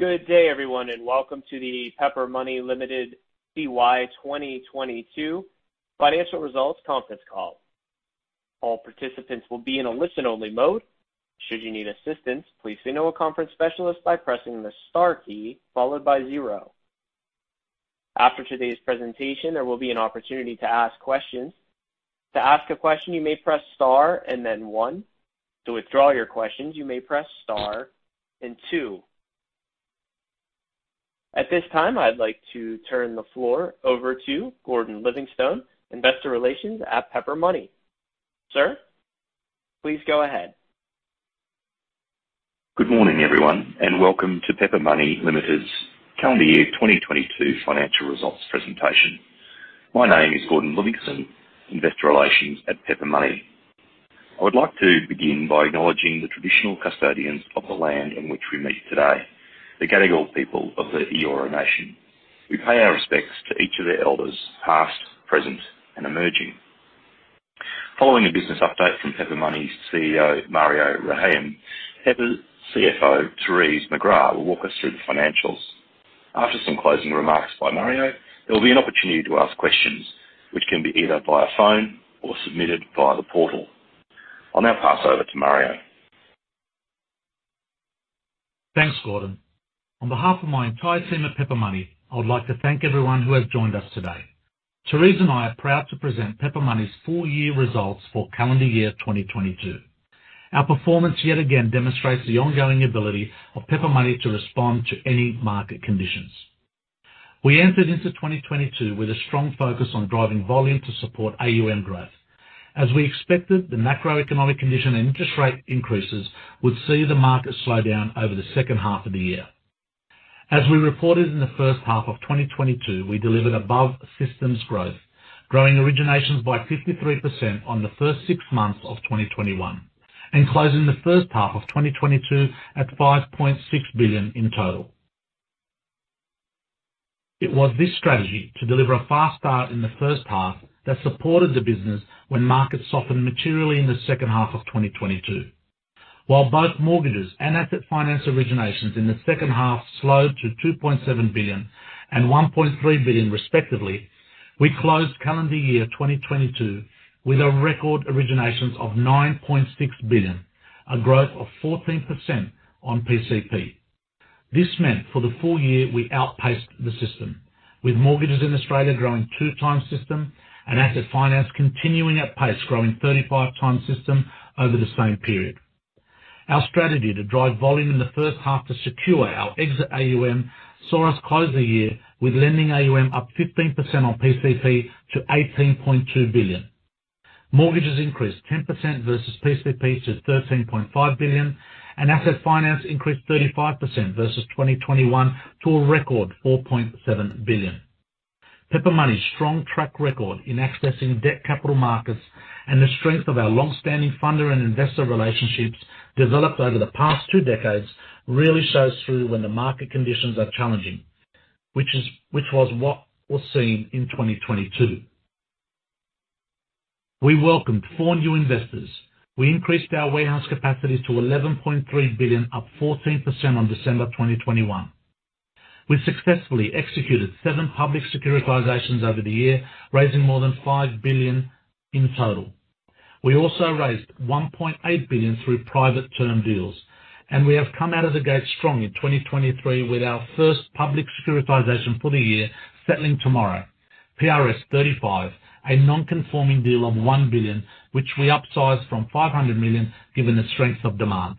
Good day, everyone, welcome to the Pepper Money Limited CY 2022 financial results conference call. All participants will be in a listen-only mode. Should you need assistance, please signal a conference specialist by pressing the Star key followed by zero. After today's presentation, there will be an opportunity to ask questions. To ask a question, you may press Star and then one. To withdraw your questions, you may press Star and two. At this time, I'd like to turn the floor over to Gordon Livingstone, investor relations at Pepper Money. Sir, please go ahead. Good morning, everyone, and welcome to Pepper Money Limited's calendar year 2022 financial results presentation. My name is Gordon Livingstone, Investor Relations at Pepper Money. I would like to begin by acknowledging the traditional custodians of the land in which we meet today, the Gadigal people of the Eora Nation. We pay our respects to each of their elders past, present, and emerging. Following a business update from Pepper Money's CEO, Mario Rehayem, Pepper CFO Therese McGrath will walk us through the financials. After some closing remarks by Mario, there will be an opportunity to ask questions, which can be either via phone or submitted via the portal. I'll now pass over to Mario. Thanks, Gordon. On behalf of my entire team at Pepper Money, I would like to thank everyone who has joined us today. Therese and I are proud to present Pepper Money's full year results for calendar year 2022. Our performance yet again demonstrates the ongoing ability of Pepper Money to respond to any market conditions. We entered into 2022 with a strong focus on driving volume to support AUM growth. As we expected, the macroeconomic condition and interest rate increases would see the market slow down over the second half of the year. As we reported in the first half of 2022, we delivered above systems growth, growing originations by 53% on the first six months of 2021 and closing the first half of 2022 at 5.6 billion in total. It was this strategy to deliver a fast start in the first half that supported the business when markets softened materially in the second half of 2022. While both mortgages and asset finance originations in the second half slowed to 2.7 billion and 1.3 billion respectively, we closed calendar year 2022 with a record originations of 9.6 billion, a growth of 14% on PCP. This meant for the full year, we outpaced the system with mortgages in Australia growing two times system and asset finance continuing at pace, growing 35 times system over the same period. Our strategy to drive volume in the first half to secure our exit AUM saw us close the year with lending AUM up 15% on PCP to 18.2 billion. Mortgages increased 10% versus PCP to 13.5 billion, asset finance increased 35% versus 2021 to a record 4.7 billion. Pepper Money's strong track record in accessing debt capital markets and the strength of our long-standing funder and investor relationships developed over the past two decades really shows through when the market conditions are challenging, which was what was seen in 2022. We welcomed four new investors. We increased our warehouse capacity to 11.3 billion, up 14% on December 2021. We successfully executed seven public securitizations over the year, raising more than 5 billion in total. We also raised 1.8 billion through private term deals, we have come out of the gate strong in 2023 with our first public securitization for the year, settling tomorrow. PRS 35, a non-conforming deal of 1 billion, which we upsized from 500 million, given the strength of demand.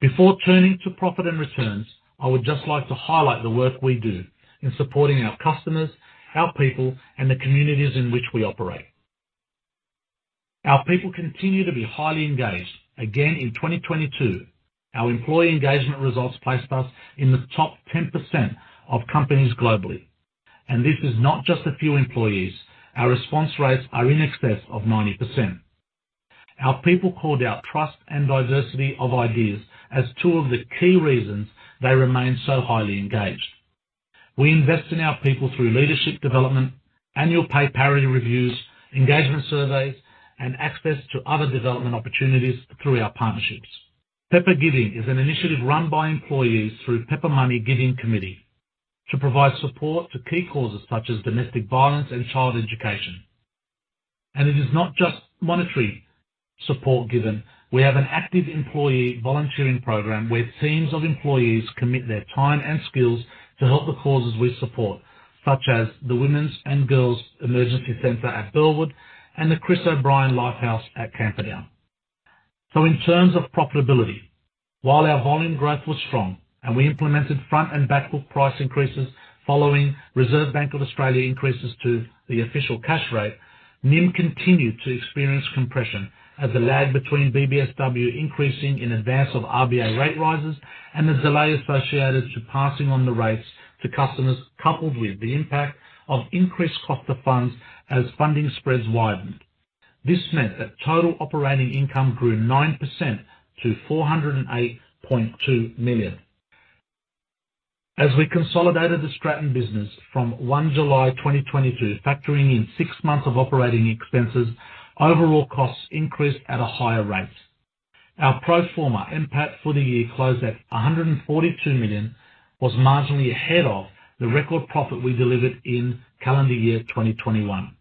Before turning to profit and returns, I would just like to highlight the work we do in supporting our customers, our people, and the communities in which we operate. Our people continue to be highly engaged. Again, in 2022, our employee engagement results placed us in the top 10% of companies globally. This is not just a few employees. Our response rates are in excess of 90%. Our people called out trust and diversity of ideas as two of the key reasons they remain so highly engaged. We invest in our people through leadership development, annual pay parity reviews, engagement surveys, and access to other development opportunities through our partnerships. Pepper Giving is an initiative run by employees through Pepper Money Giving Committee to provide support to key causes such as domestic violence and child education. It is not just monetary support given. We have an active employee volunteering program where teams of employees commit their time and skills to help the causes we support, such as the Women's and Girls Emergency Centre at Burwood and the Chris O'Brien Lifehouse at Camperdown. In terms of profitability, while our volume growth was strong and we implemented front and back book price increases following Reserve Bank of Australia increases to the official cash rate, NIM continued to experience compression as the lag between BBSW increasing in advance of RBA rate rises and the delay associated to passing on the rates to customers, coupled with the impact of increased cost of funds as funding spreads widened. This meant that total operating income grew 9% to 408.2 million. As we consolidated the Stratton business from July 1, 2022, factoring in six months of operating expenses, overall costs increased at a higher rate. Our pro forma NPAT for the year closed at 142 million, was marginally ahead of the record profit we delivered in calendar year 2021.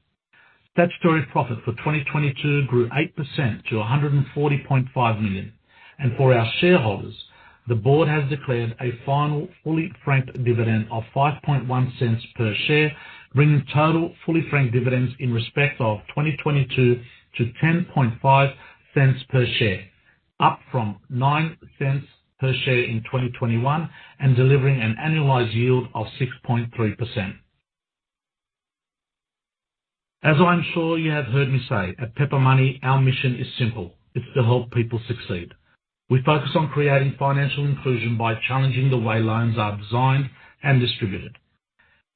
Statutory profit for 2022 grew 8% to 140.5 million. For our shareholders, the board has declared a final fully franked dividend of 0.051 per share, bringing total fully franked dividends in respect of 2022 to 0.105 per share, up from 0.09 per share in 2021, and delivering an annualized yield of 6.3%. As I'm sure you have heard me say, at Pepper Money, our mission is simple. It's to help people succeed. We focus on creating financial inclusion by challenging the way loans are designed and distributed.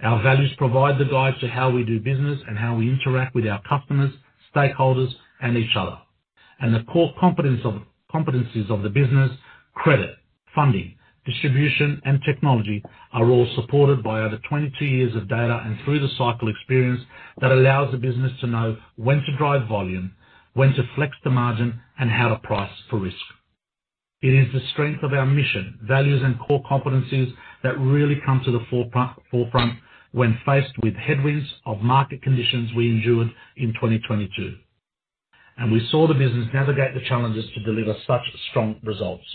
Our values provide the guide to how we do business and how we interact with our customers, stakeholders, and each other. The core competencies of the business, credit, funding, distribution, and technology are all supported by over 22 years of data and through the cycle experience that allows the business to know when to drive volume, when to flex the margin, and how to price for risk. It is the strength of our mission, values, and core competencies that really come to the forefront when faced with headwinds of market conditions we endured in 2022. We saw the business navigate the challenges to deliver such strong results.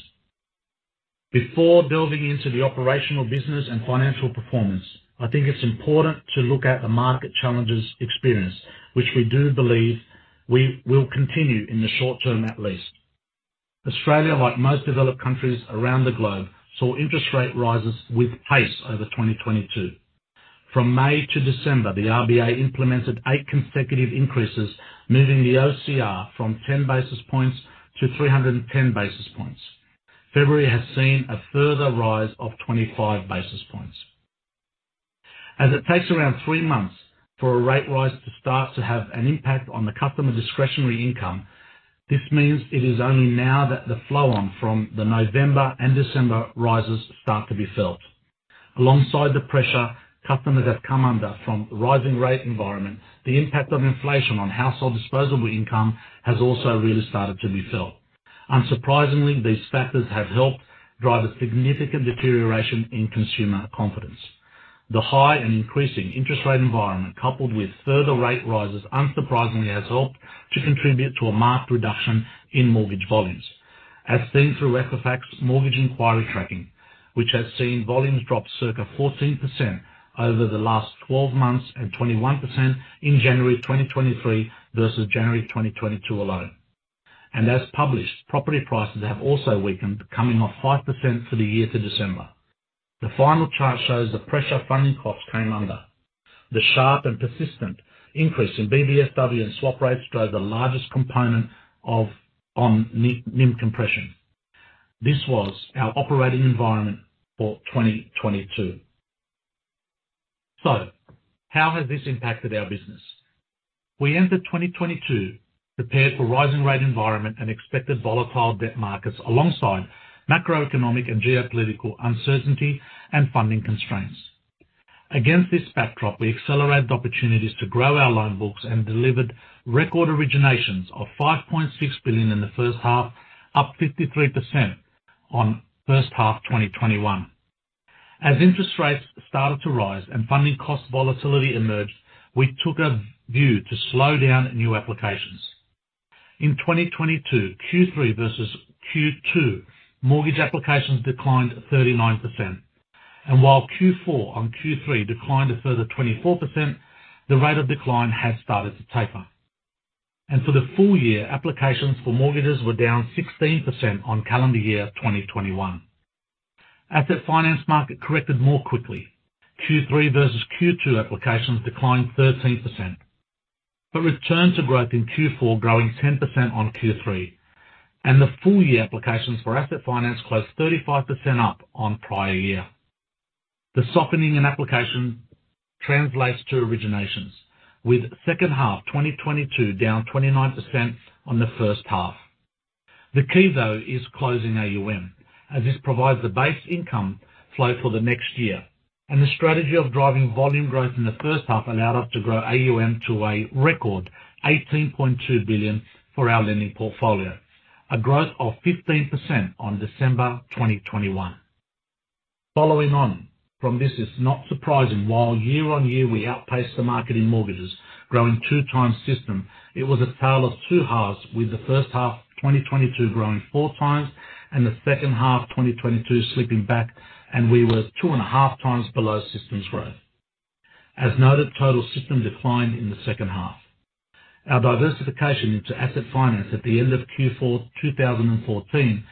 Before delving into the operational business and financial performance, I think it's important to look at the market challenges experienced, which we do believe we will continue in the short term, at least. Australia, like most developed countries around the globe, saw interest rate rises with pace over 2022. From May to December, the RBA implemented eight consecutive increases, moving the OCR from 10 basis points to 310 basis points. February has seen a further rise of 25 basis points. As it takes around three months for a rate rise to start to have an impact on the customer discretionary income, this means it is only now that the flow on from the November and December rises start to be felt. Alongside the pressure customers have come under from the rising rate environment, the impact of inflation on household disposable income has also really started to be felt. Unsurprisingly, these factors have helped drive a significant deterioration in consumer confidence. The high and increasing interest rate environment, coupled with further rate rises, unsurprisingly, has helped to contribute to a marked reduction in mortgage volumes. As seen through Equifax mortgage inquiry tracking, which has seen volumes drop circa 14% over the last 12 months and 21% in January 2023 versus January 2022 alone. As published, property prices have also weakened, coming off 5% for the year to December. The final chart shows the pressure funding costs came under. The sharp and persistent increase in BBSW and swap rates drove the largest component of, on NIM compression. This was our operating environment for 2022. How has this impacted our business? We entered 2022 prepared for rising rate environment and expected volatile debt markets alongside macroeconomic and geopolitical uncertainty and funding constraints. Against this backdrop, we accelerated opportunities to grow our loan books and delivered record originations of 5.6 billion in the first half, up 53% on first half 2021. As interest rates started to rise and funding cost volatility emerged, we took a view to slow down new applications. In 2022, Q3 versus Q2, mortgage applications declined 39%. While Q4 on Q3 declined a further 24%, the rate of decline has started to taper. For the full year, applications for mortgages were down 16% on calendar year 2021. Asset finance market corrected more quickly. Q3 versus Q2 applications declined 13%, but returned to growth in Q4, growing 10% on Q3. The full year applications for asset finance closed 35% up on prior year. The softening in application translates to originations, with second half 2022 down 29% on the first half. The key, though, is closing AUM, as this provides the base income flow for the next year. The strategy of driving volume growth in the first half allowed us to grow AUM to a record 18.2 billion for our lending portfolio, a growth of 15% on December 2021. Following on from this, it's not surprising while year-on-year we outpaced the market in mortgages, growing 2x system, it was a tale of two halves with the first half of 2022 growing four times and the second half of 2022 slipping back, and we were 2 and a half times below systems growth. As noted, total system declined in the second half. Our diversification into asset finance at the end of Q4 2014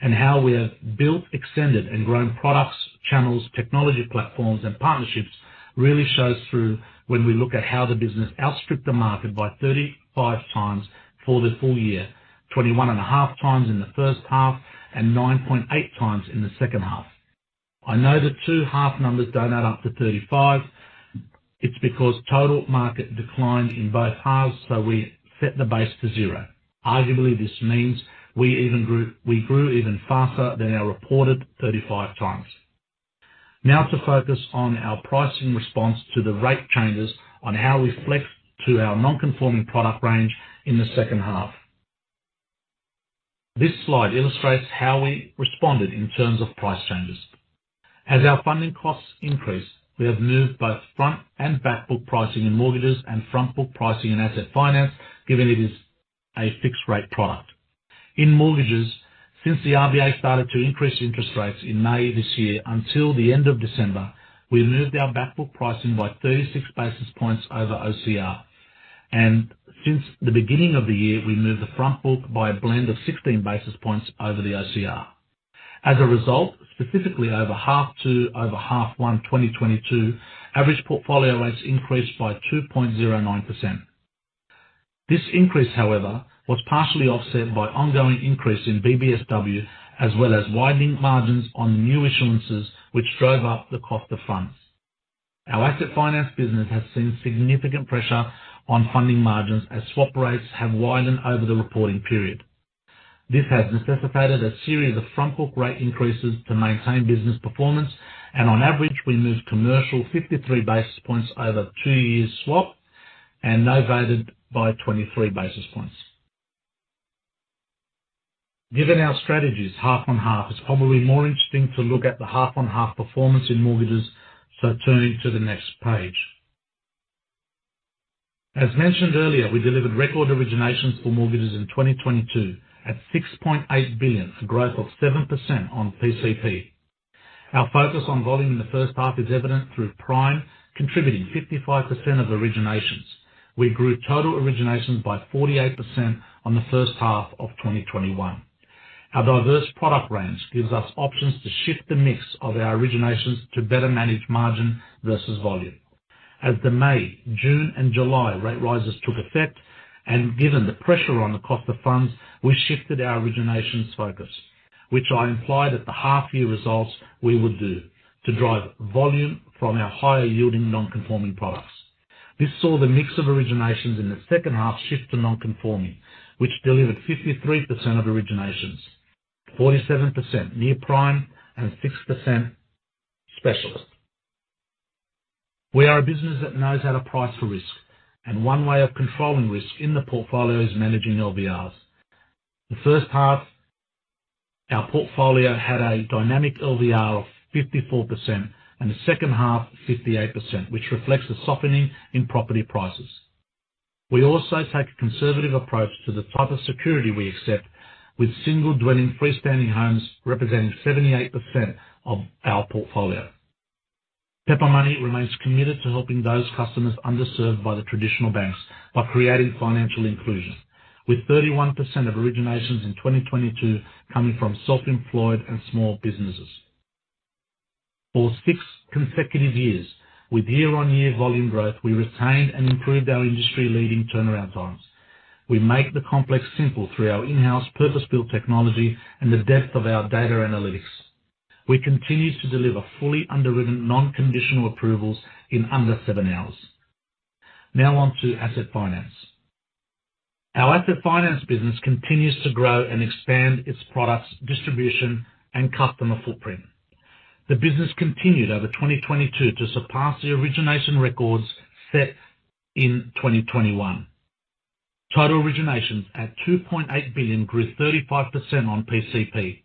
and how we have built, extended, and grown products, channels, technology platforms, and partnerships really shows through when we look at how the business outstripped the market by 35x for the full year, 21 and a half times in the first half and 9.8x in the second half. I know the two half numbers don't add up to 35. It's because total market declined in both halves, so we set the base to zero. Arguably, this means we even grew, we grew even faster than our reported 35 times. To focus on our pricing response to the rate changes on how we flex to our non-conforming product range in the second half. This slide illustrates how we responded in terms of price changes. As our funding costs increase, we have moved both front and back book pricing in mortgages and front book pricing in asset finance, given it is a fixed rate product. In mortgages, since the RBA started to increase interest rates in May this year until the end of December, we moved our back book pricing by 36 basis points over OCR. Since the beginning of the year, we moved the front book by a blend of 16 basis points over the OCR. As a result, specifically over half two over half one 2022, average portfolio rates increased by 2.09%. This increase, however, was partially offset by ongoing increase in BBSW, as well as widening margins on new issuances, which drove up the cost of funds. Our asset finance business has seen significant pressure on funding margins as swap rates have widened over the reporting period. This has necessitated a series of front book rate increases to maintain business performance. On average, we moved commercial 53 basis points over two years swap and novated by 23 basis points. Given our strategies half on half, it's probably more interesting to look at the half on half performance in mortgages. Turning to the next page. As mentioned earlier, we delivered record originations for mortgages in 2022 at 6.8 billion, a growth of 7% on PCP. Our focus on volume in the first half is evident through Prime, contributing 55% of originations. We grew total originations by 48% on the first half of 2021. Our diverse product range gives us options to shift the mix of our originations to better manage margin versus volume. As the May, June, and July rate rises took effect, and given the pressure on the cost of funds, we shifted our originations focus, which I implied at the half year results we would do, to drive volume from our higher yielding non-conforming products. This saw the mix of originations in the second half shift to non-conforming, which delivered 53% of originations, 47% Near Prime, and 6% specialist. We are a business that knows how to price for risk, and one way of controlling risk in the portfolio is managing LVRs. The first half, our portfolio had a dynamic LVR of 54%, and the second half, 58%, which reflects the softening in property prices. We also take a conservative approach to the type of security we accept, with single dwelling freestanding homes representing 78% of our portfolio. Pepper Money remains committed to helping those customers underserved by the traditional banks by creating financial inclusion, with 31% of originations in 2022 coming from self-employed and small businesses. For six consecutive years with year-on-year volume growth, we retained and improved our industry-leading turnaround times. We make the complex simple through our in-house purpose-built technology and the depth of our data analytics. We continue to deliver fully underwritten, non-conditional approvals in under seven hours. On to asset finance. Our asset finance business continues to grow and expand its products, distribution, and customer footprint. The business continued over 2022 to surpass the origination records set in 2021. Total originations at 2.8 billion grew 35% on PCP,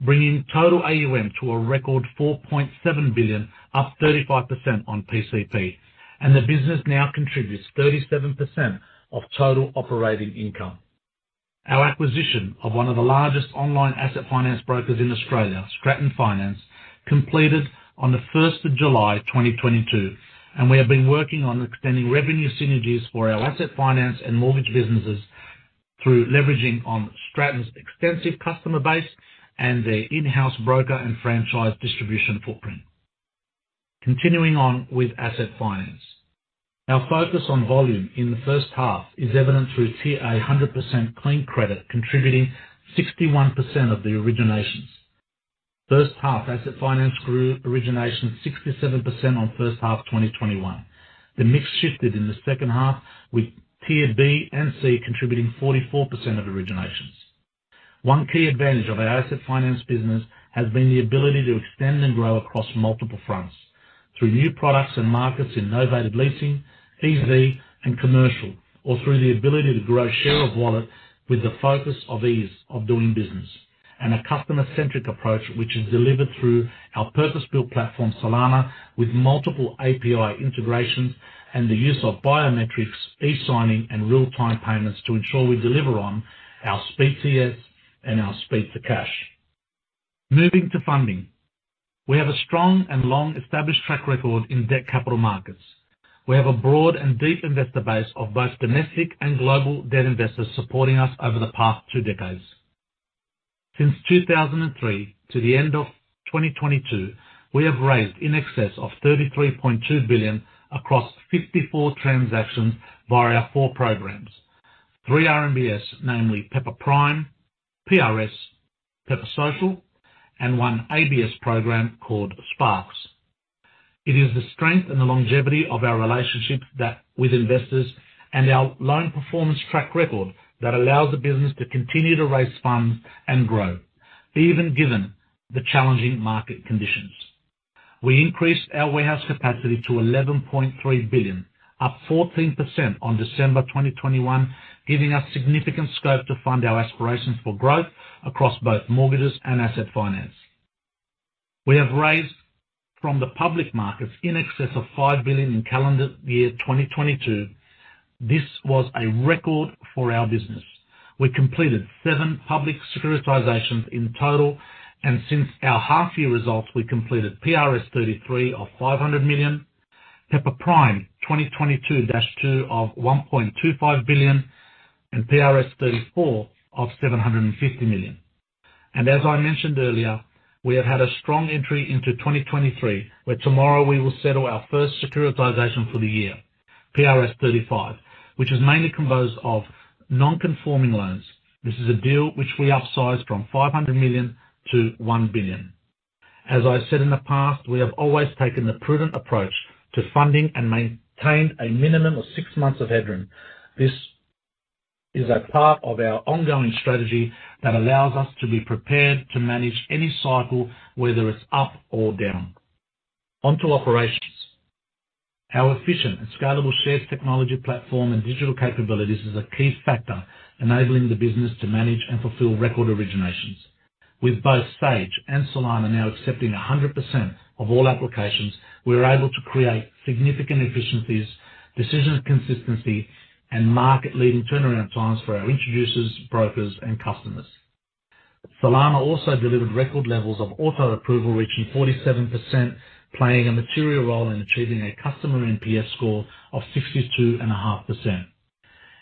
bringing total AUM to a record 4.7 billion, up 35% on PCP, and the business now contributes 37% of total operating income. Our acquisition of one of the largest online asset finance brokers in Australia, Stratton Finance, completed on the first of July 2022, and we have been working on extending revenue synergies for our asset finance and mortgage businesses through leveraging on Stratton's extensive customer base and their in-house broker and franchise distribution footprint. Continuing on with asset finance. Our focus on volume in the first half is evident through Tier A 100% clean credit, contributing 61% of the originations. First half asset finance grew origination 67% on first half 2021. The mix shifted in the second half, with Tier B and C contributing 44% of originations. One key advantage of our asset finance business has been the ability to extend and grow across multiple fronts through new products and markets in novated leasing, EV, and commercial, or through the ability to grow share of wallet with the focus of ease of doing business, and a customer-centric approach, which is delivered through our purpose-built platform, Salama, with multiple API integrations and the use of biometrics, e-signing, and real-time payments to ensure we deliver on our speed CS and our speed to cash. Moving to funding. We have a strong and long-established track record in debt capital markets. We have a broad and deep investor base of both domestic and global debt investors supporting us over the past two decades. Since 2003 to the end of 2022, we have raised in excess of 33.2 billion across 54 transactions via our four programs, three RMBS, namely Pepper Prime, PRS, Pepper Social, and 1 ABS program called Sparks. It is the strength and the longevity of our relationship that with investors and our loan performance track record that allows the business to continue to raise funds and grow, even given the challenging market conditions. We increased our warehouse capacity to 11.3 billion, up 14% on December 2021, giving us significant scope to fund our aspirations for growth across both mortgages and asset finance. We have raised from the public markets in excess of 5 billion in calendar year 2022. This was a record for our business. We completed seven public securitizations in total, since our half-year results, we completed PRS 33 of 500 million, Pepper Prime 2022 dash two of 1.25 billion, and PRS thirty-four of 750 million. As I mentioned earlier, we have had a strong entry into 2023, where tomorrow we will settle our first securitization for the year, PRS 35, which is mainly composed of non-conforming loans. This is a deal which we upsized from 500 million to 1 billion. As I said in the past, we have always taken the prudent approach to funding and maintained a minimum of six months of headroom. This is a part of our ongoing strategy that allows us to be prepared to manage any cycle, whether it's up or down. Onto operations. Our efficient and scalable shares technology platform and digital capabilities is a key factor enabling the business to manage and fulfill record originations. With both Sage and Salama now accepting 100% of all applications, we're able to create significant efficiencies, decision consistency, and market-leading turnaround times for our introducers, brokers, and customers. Salama also delivered record levels of auto approval, reaching 47%, playing a material role in achieving a customer NPS score of 62.5%.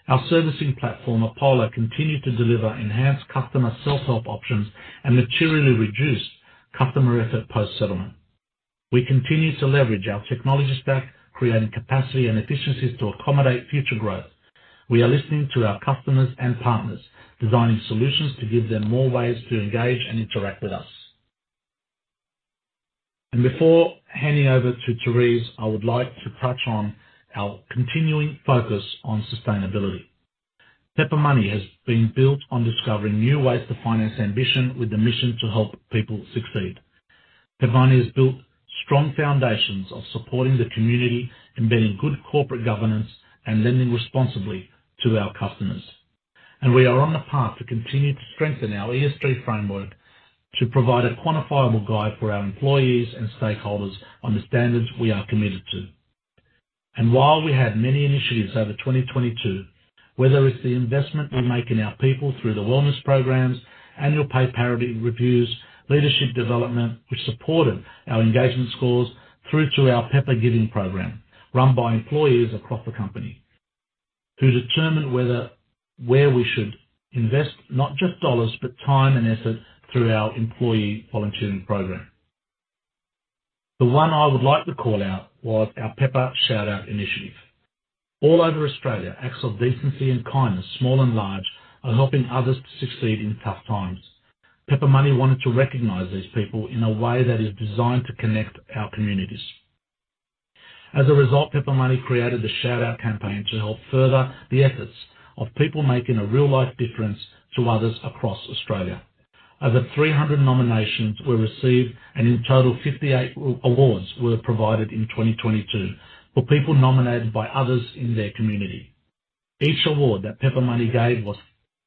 Our servicing platform, Apollo, continued to deliver enhanced customer self-help options and materially reduced customer effort post-settlement. We continue to leverage our technology stack, creating capacity and efficiencies to accommodate future growth. We are listening to our customers and partners, designing solutions to give them more ways to engage and interact with us. Before handing over to Therese, I would like to touch on our continuing focus on sustainability. Pepper Money has been built on discovering new ways to finance ambition with the mission to help people succeed. Pepper Money has built strong foundations of supporting the community, embedding good corporate governance, and lending responsibly to our customers. We are on the path to continue to strengthen our ESG framework to provide a quantifiable guide for our employees and stakeholders on the standards we are committed to. While we had many initiatives over 2022, whether it's the investment we make in our people through the wellness programs, annual pay parity reviews, leadership development, which supported our engagement scores through to our Pepper Giving program, run by employees across the company to determine where we should invest not just dollars, but time and effort through our employee volunteering program. The one I would like to call out was our Pepper Shout Out initiative. All over Australia, acts of decency and kindness, small and large, are helping others to succeed in tough times. Pepper Money wanted to recognize these people in a way that is designed to connect our communities. Pepper Money created the Shout Out campaign to help further the efforts of people making a real life difference to others across Australia. Over 300 nominations were received, in total, 58 awards were provided in 2022 for people nominated by others in their community. Each award that Pepper Money gave was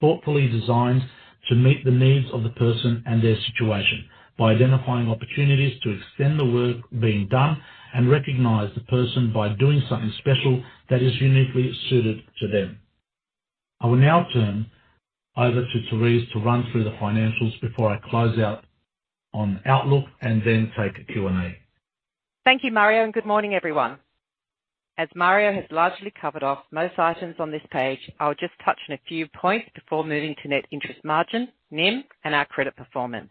thoughtfully designed to meet the needs of the person and their situation by identifying opportunities to extend the work being done and recognize the person by doing something special that is uniquely suited to them. I will now turn over to Therese to run through the financials before I close out on outlook and then take a Q&A. Thank you, Mario. Good morning, everyone. As Mario has largely covered off most items on this page, I'll just touch on a few points before moving to net interest margin, NIM, and our credit performance.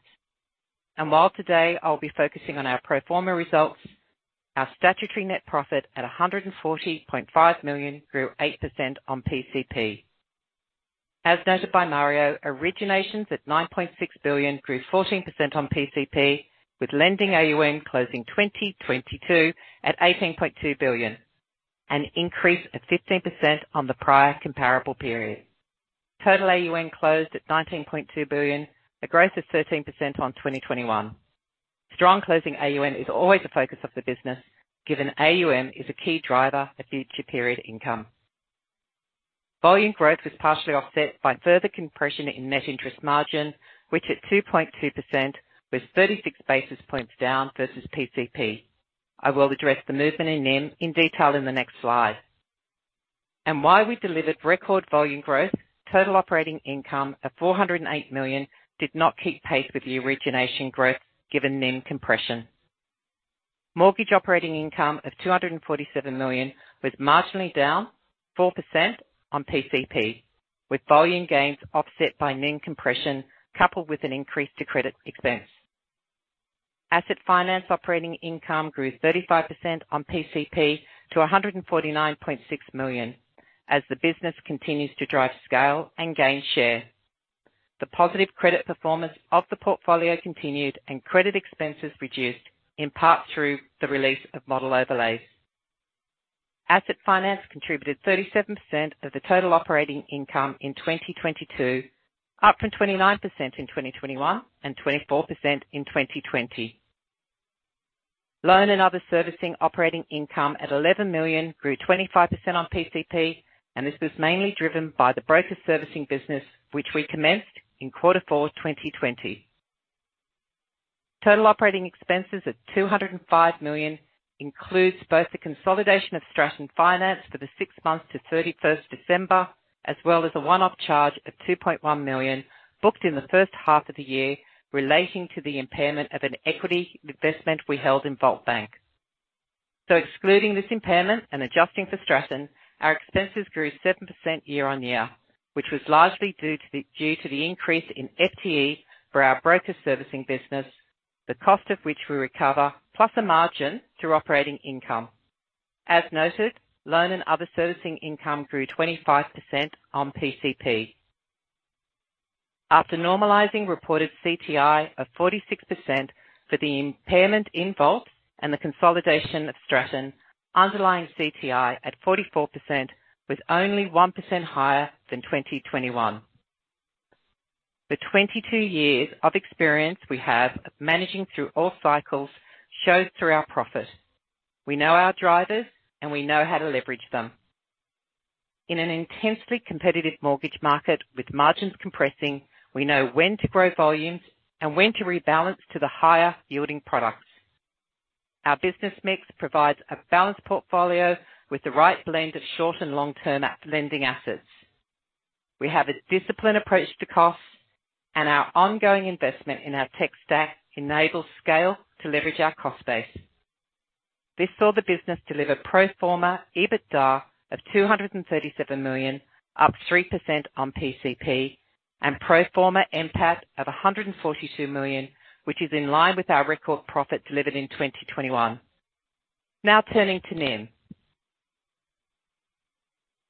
While today I'll be focusing on our pro forma results, our statutory net profit at 140.5 million grew 8% on PCP. As noted by Mario, originations at 9.6 billion grew 14% on PCP, with lending AUM closing 2022 at 18.2 billion, an increase of 15% on the prior comparable period. Total AUM closed at 19.2 billion, a growth of 13% on 2021. Strong closing AUM is always a focus of the business, given AUM is a key driver of future period income. Volume growth was partially offset by further compression in net interest margin, which at 2.2% was 36 basis points down versus PCP. I will address the movement in NIM in detail in the next slide. While we delivered record volume growth, total operating income of 408 million did not keep pace with the origination growth, given NIM compression. Mortgage operating income of AUD 247 million was marginally down 4% on PCP, with volume gains offset by NIM compression, coupled with an increase to credit expense. Asset finance operating income grew 35% on PCP to 149.6 million as the business continues to drive scale and gain share. The positive credit performance of the portfolio continued and credit expenses reduced in part through the release of model overlays. Asset finance contributed 37% of the total operating income in 2022, up from 29% in 2021 and 24% in 2020. Loan and other servicing operating income at 11 million grew 25% on PCP. This was mainly driven by the broker servicing business, which we commenced in quarter four, 2020. Total operating expenses of AUD 205 million includes both the consolidation of Stratton Finance for the six months to 31st December, as well as a one-off charge of 2.1 million booked in the first half of the year, relating to the impairment of an equity investment we held in Volt Bank. Excluding this impairment and adjusting for Stratton, our expenses grew 7% year-over-year, which was largely due to the increase in FTE for our broker servicing business, the cost of which we recover, plus a margin to operating income. As noted, loan and other servicing income grew 25% on PCP. After normalizing reported CTI of 46% for the impairment in Volt and the consolidation of Stratton, underlying CTI at 44% was only 1% higher than 2021. The 22 years of experience we have of managing through all cycles shows through our profit. We know our drivers and we know how to leverage them. In an intensely competitive mortgage market with margins compressing, we know when to grow volumes and when to rebalance to the higher yielding products. Our business mix provides a balanced portfolio with the right blend of short and long-term lending assets. We have a disciplined approach to costs and our ongoing investment in our tech stack enables scale to leverage our cost base. This saw the business deliver pro forma EBITDA of AUD 237 million, up 3% on PCP and pro forma NPAT of AUD 142 million, which is in line with our record profit delivered in 2021. Turning to NIM.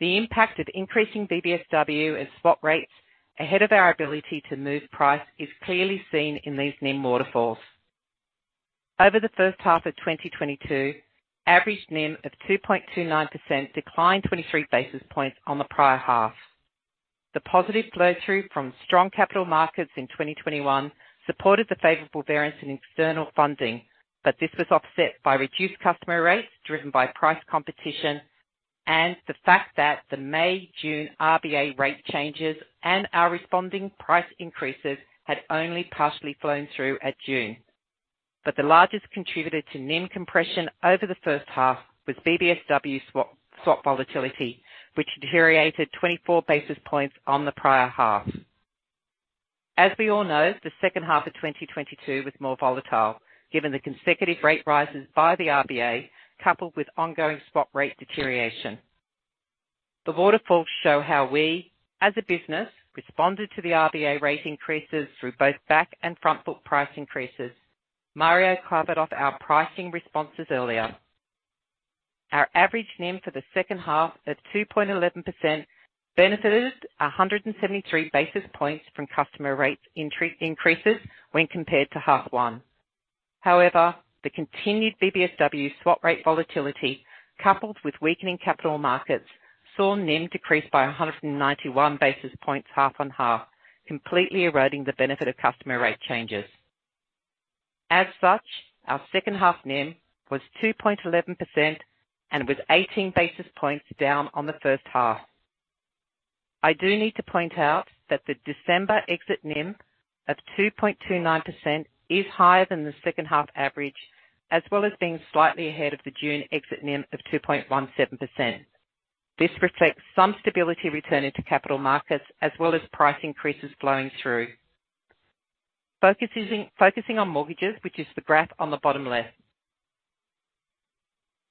The impact of increasing BBSW as swap rates ahead of our ability to move price is clearly seen in these NIM waterfalls. Over the first half of 2022, average NIM of 2.29% declined 23 basis points on the prior half. The positive flow-through from strong capital markets in 2021 supported the favorable variance in external funding. This was offset by reduced customer rates driven by price competition and the fact that the May/June RBA rate changes and our responding price increases had only partially flown through at June. The largest contributor to NIM compression over the first half was BBSW swap volatility, which deteriorated 24 basis points on the prior half. As we all know, the second half of 2022 was more volatile given the consecutive rate rises by the RBA, coupled with ongoing swap rate deterioration. The waterfalls show how we as a business responded to the RBA rate increases through both back and front book price increases. Mario covered off our pricing responses earlier. Our average NIM for the second half of 2.11% benefited 173 basis points from customer rate increases when compared to half one. The continued BBSW swap rate volatility coupled with weakening capital markets, saw NIM decrease by 191 basis points half on half, completely eroding the benefit of customer rate changes. Our second half NIM was 2.11% and was 18 basis points down on the first half. I do need to point out that the December exit NIM of 2.29% is higher than the second half average, as well as being slightly ahead of the June exit NIM of 2.17%. This reflects some stability returning to capital markets as well as price increases flowing through. Focusing on mortgages, which is the graph on the bottom left.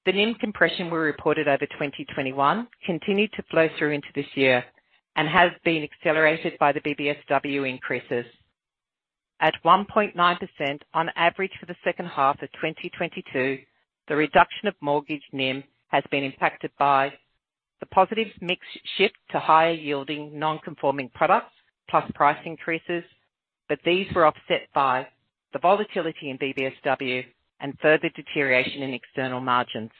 The NIM compression we reported over 2021 continued to flow through into this year and has been accelerated by the BBSW increases. At 1.9% on average for the second half of 2022, the reduction of mortgage NIM has been impacted by the positive mix shift to higher yielding non-conforming products plus price increases. These were offset by the volatility in BBSW and further deterioration in external margins.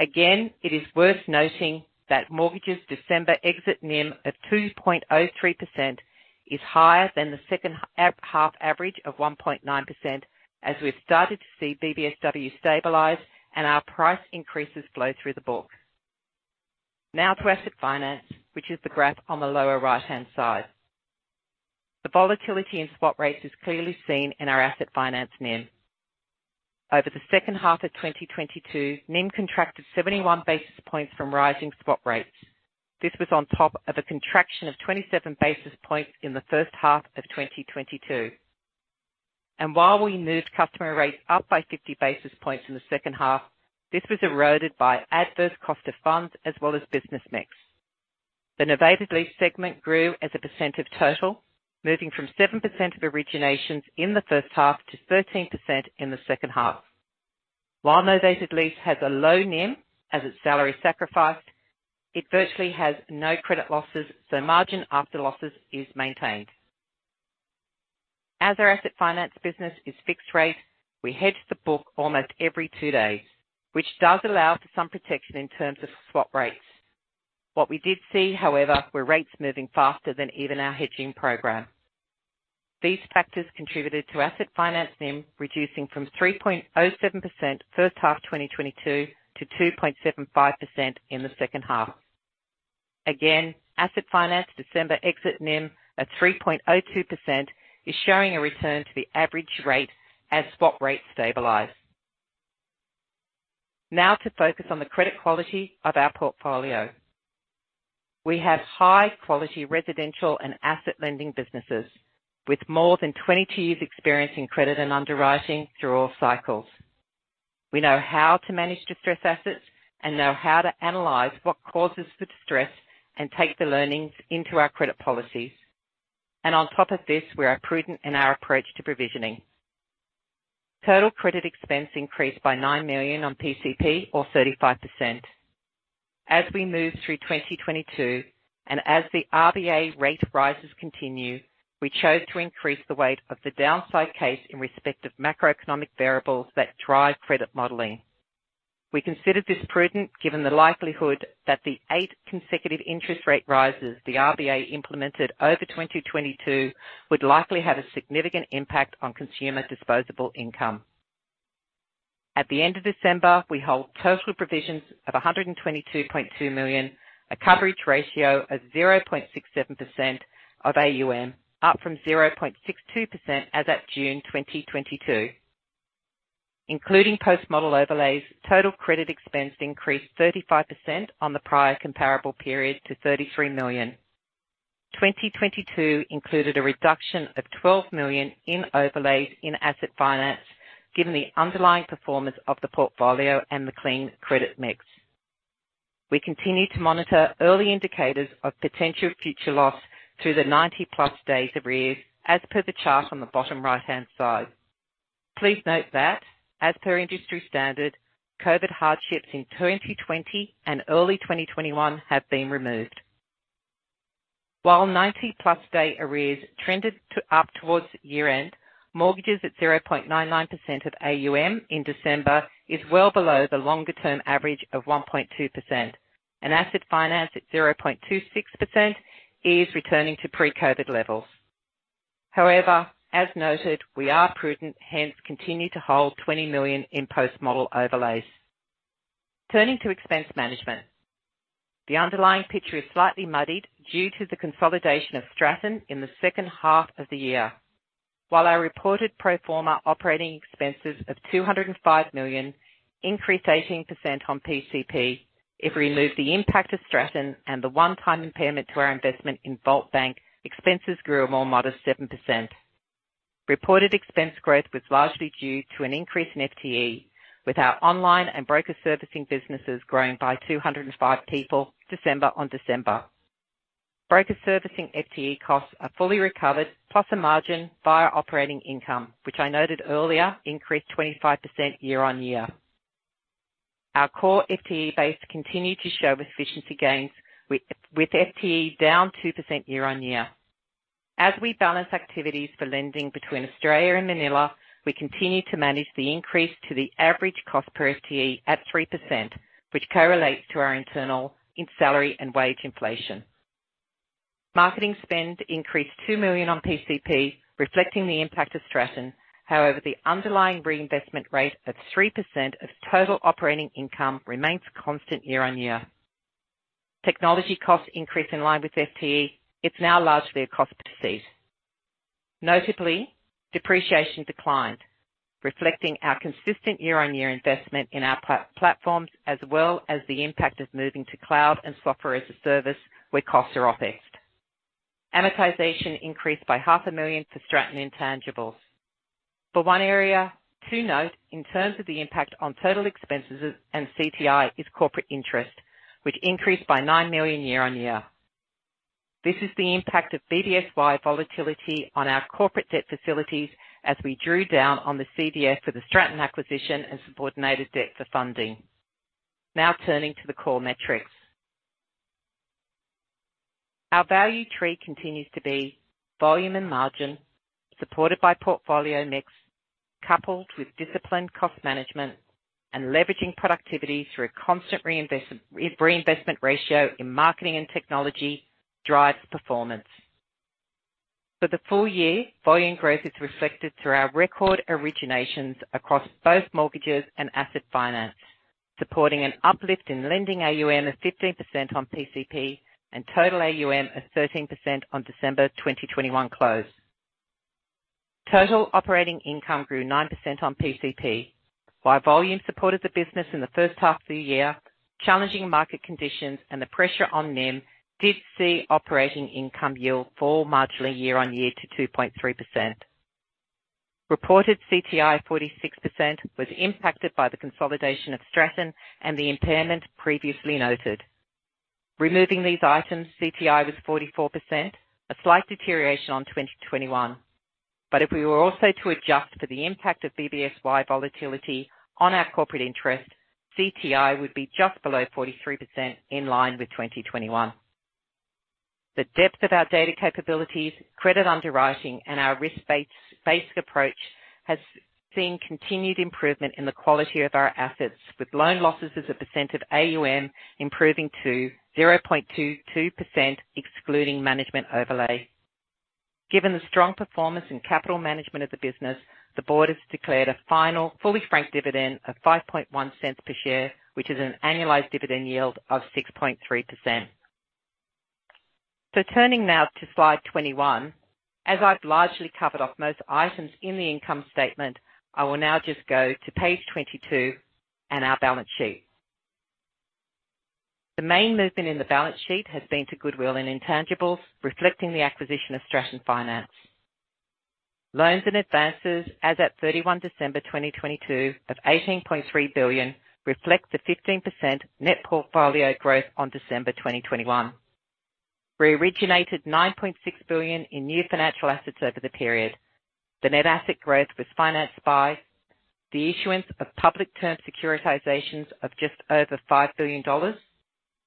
Again, it is worth noting that mortgages December exit NIM of 2.03% is higher than the second half average of 1.9% as we've started to see BBSW stabilize and our price increases flow through the book. Now to asset finance, which is the graph on the lower right-hand side. The volatility in swap rates is clearly seen in our asset finance NIM. Over the second half of 2022, NIM contracted 71 basis points from rising swap rates. This was on top of a contraction of 27 basis points in the first half of 2022. While we moved customer rates up by 50 basis points in the second half, this was eroded by adverse cost of funds as well as business mix. The novated lease segment grew as a percent of total, moving from 7% of originations in the first half to 13% in the second half. While novated lease has a low NIM as its salary sacrifice, it virtually has no credit losses, margin after losses is maintained. As our asset finance business is fixed rate, we hedge the book almost every two days, which does allow for some protection in terms of swap rates. What we did see, however, were rates moving faster than even our hedging program. These factors contributed to asset finance NIM reducing from 3.07% first half 2022 to 2.75% in the second half. Asset finance December exit NIM at 3.02% is showing a return to the average rate as swap rates stabilize. To focus on the credit quality of our portfolio. We have high quality residential and asset lending businesses with more than 22 years' experience in credit and underwriting through all cycles. We know how to manage distressed assets and know how to analyze what causes the distress and take the learnings into our credit policies. On top of this, we are prudent in our approach to provisioning. Total credit expense increased by 9 million on PCP or 35%. As we move through 2022 and as the RBA rate rises continue, we chose to increase the weight of the downside case in respect of macroeconomic variables that drive credit modeling. We considered this prudent given the likelihood that the eight consecutive interest rate rises the RBA implemented over 2022 would likely have a significant impact on consumer disposable income. At the end of December, we hold total provisions of 122.2 million, a coverage ratio of 0.67% of AUM, up from 0.62% as at June 2022. Including post-model overlays, total credit expense increased 35% on the prior comparable period to 33 million. 2022 included a reduction of 12 million in overlays in asset finance, given the underlying performance of the portfolio and the clean credit mix. We continue to monitor early indicators of potential future loss through the 90-plus days arrears as per the chart on the bottom right-hand side. Please note that as per industry standard, COVID hardships in 2020 and early 2021 have been removed. While 90-plus day arrears trended to, up towards year-end, mortgages at 0.99% of AUM in December is well below the longer-term average of 1.2%. Asset finance at 0.26% is returning to pre-COVID levels. As noted, we are prudent, hence continue to hold 20 million in post-model overlays. Turning to expense management. The underlying picture is slightly muddied due to the consolidation of Stratton in the second half of the year. While our reported pro forma operating expenses of 205 million increased 18% on PCP, if we remove the impact of Stratton and the one-time impairment to our investment in Volt Bank, expenses grew a more modest 7%. Reported expense growth was largely due to an increase in FTE, with our online and broker servicing businesses growing by 205 people December on December. Broker servicing FTE costs are fully recovered, plus a margin via operating income, which I noted earlier increased 25% year-on-year. Our core FTE base continued to show efficiency gains with FTE down 2% year-on-year. As we balance activities for lending between Australia and Manila, we continue to manage the increase to the average cost per FTE at 3%, which correlates to our internal in salary and wage inflation. Marketing spend increased 2 million on PCP, reflecting the impact of Stratton. The underlying reinvestment rate of 3% of total operating income remains constant year-on-year. Technology costs increase in line with FTE. It's now largely a cost per seat. Notably, depreciation declined, reflecting our consistent year-on-year investment in our platforms, as well as the impact of moving to cloud and software as a service, where costs are offset. Amortization increased by half a million for Stratton intangibles. One area to note in terms of the impact on total expenses and CTI is corporate interest, which increased by 9 million year-on-year. This is the impact of BBSY volatility on our corporate debt facilities as we drew down on the CDF for the Stratton acquisition and subordinated debt for funding. Turning to the core metrics. Our value tree continues to be volume and margin, supported by portfolio mix, coupled with disciplined cost management and leveraging productivity through a constant reinvestment ratio in marketing and technology drives performance. For the full year, volume growth is reflected through our record originations across both mortgages and asset finance, supporting an uplift in lending AUM of 15% on PCP and total AUM of 13% on December 2021 close. Total operating income grew 9% on PCP. While volume supported the business in the first half of the year, challenging market conditions and the pressure on NIM did see operating income yield fall marginally year on year to 2.3%. Reported CTI 46% was impacted by the consolidation of Stratton and the impairment previously noted. Removing these items, CTI was 44%, a slight deterioration on 2021. If we were also to adjust for the impact of BBSY volatility on our corporate interest, CTI would be just below 43% in line with 2021. The depth of our data capabilities, credit underwriting, and our risk-base, basic approach has seen continued improvement in the quality of our assets, with loan losses as a percent of AUM improving to 0.22% excluding management overlay. Given the strong performance and capital management of the business, the board has declared a final fully frank dividend of 0.051 per share, which is an annualized dividend yield of 6.3%. Turning now to slide 21. As I've largely covered off most items in the income statement, I will now just go to page 22 and our balance sheet. The main movement in the balance sheet has been to goodwill and intangibles, reflecting the acquisition of Stratton Finance. Loans and advances as at 31 December 2022 of 18.3 billion reflects the 15% net portfolio growth on December 2021. We originated 9.6 billion in new financial assets over the period. The net asset growth was financed by the issuance of public term securitizations of just over 5 billion dollars,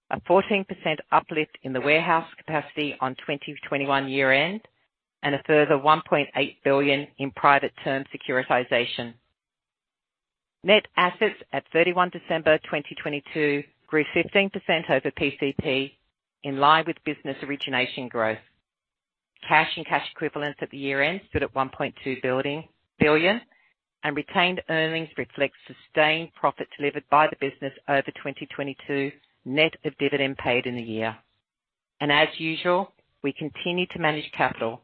a 14% uplift in the warehouse capacity on 2021 year end, and a further 1.8 billion in private term securitization. Net assets at 31 December 2022 grew 15% over PCP in line with business origination growth. Cash and cash equivalents at the year-end stood at 1.2 billion. Retained earnings reflect sustained profit delivered by the business over 2022, net of dividend paid in the year. As usual, we continue to manage capital,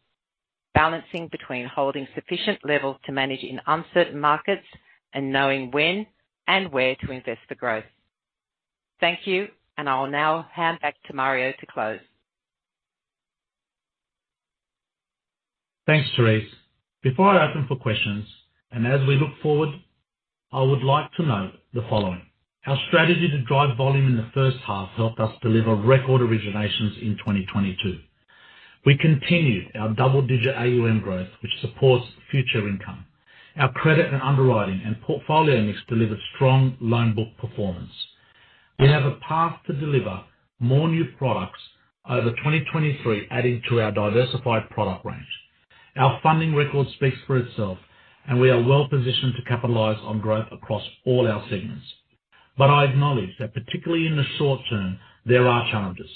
balancing between holding sufficient levels to manage in uncertain markets and knowing when and where to invest for growth. Thank you, and I will now hand back to Mario to close. Thanks, Therese. Before I open for questions, as we look forward, I would like to note the following. Our strategy to drive volume in the first half helped us deliver record originations in 2022. We continued our double-digit AUM growth, which supports future income. Our credit and underwriting and portfolio mix delivered strong loan book performance. We have a path to deliver more new products over 2023, adding to our diversified product range. Our funding record speaks for itself, we are well positioned to capitalize on growth across all our segments. I acknowledge that particularly in the short term, there are challenges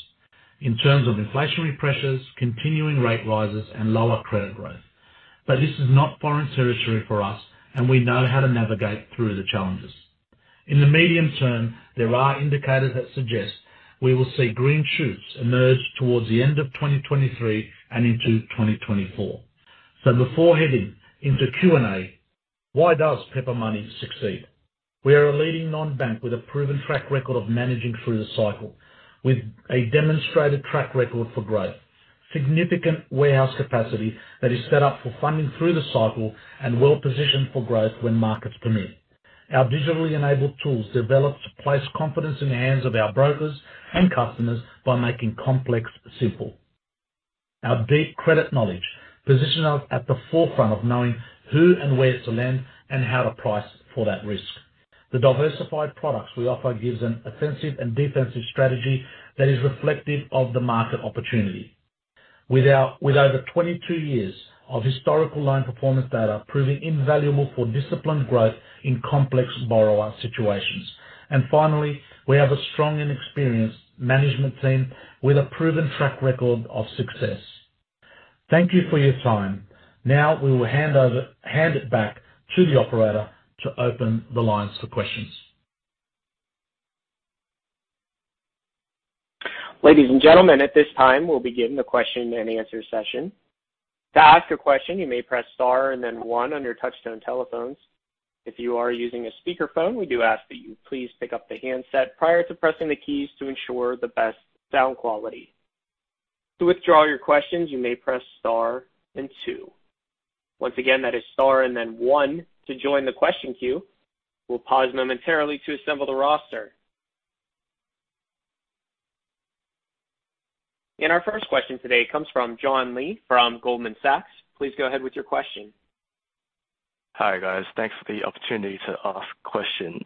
in terms of inflationary pressures, continuing rate rises, and lower credit growth. This is not foreign territory for us, we know how to navigate through the challenges. In the medium term, there are indicators that suggest we will see green shoots emerge towards the end of 2023 and into 2024. Before heading into Q&A, why does Pepper Money succeed? We are a leading non-bank with a proven track record of managing through the cycle, with a demonstrated track record for growth, significant warehouse capacity that is set up for funding through the cycle and well-positioned for growth when markets permit. Our digitally enabled tools developed to place confidence in the hands of our brokers and customers by making complex simple. Our deep credit knowledge position us at the forefront of knowing who and where to lend and how to price for that risk. The diversified products we offer gives an offensive and defensive strategy that is reflective of the market opportunity. With over 22 years of historical loan performance data proving invaluable for disciplined growth in complex borrower situations. Finally, we have a strong and experienced management team with a proven track record of success. Thank you for your time. Now, we will hand it back to the operator to open the lines for questions. Ladies and gentlemen, at this time, we'll begin the question and answer session. To ask a question, you may press star and then one on your touch-tone telephones. If you are using a speakerphone, we do ask that you please pick up the handset prior to pressing the keys to ensure the best sound quality. To withdraw your questions, you may press star and two. Once again, that is star and then one to join the question queue. We'll pause momentarily to assemble the roster. Our first question today comes from John Lee from Goldman Sachs. Please go ahead with your question. Hi, guys. Thanks for the opportunity to ask questions.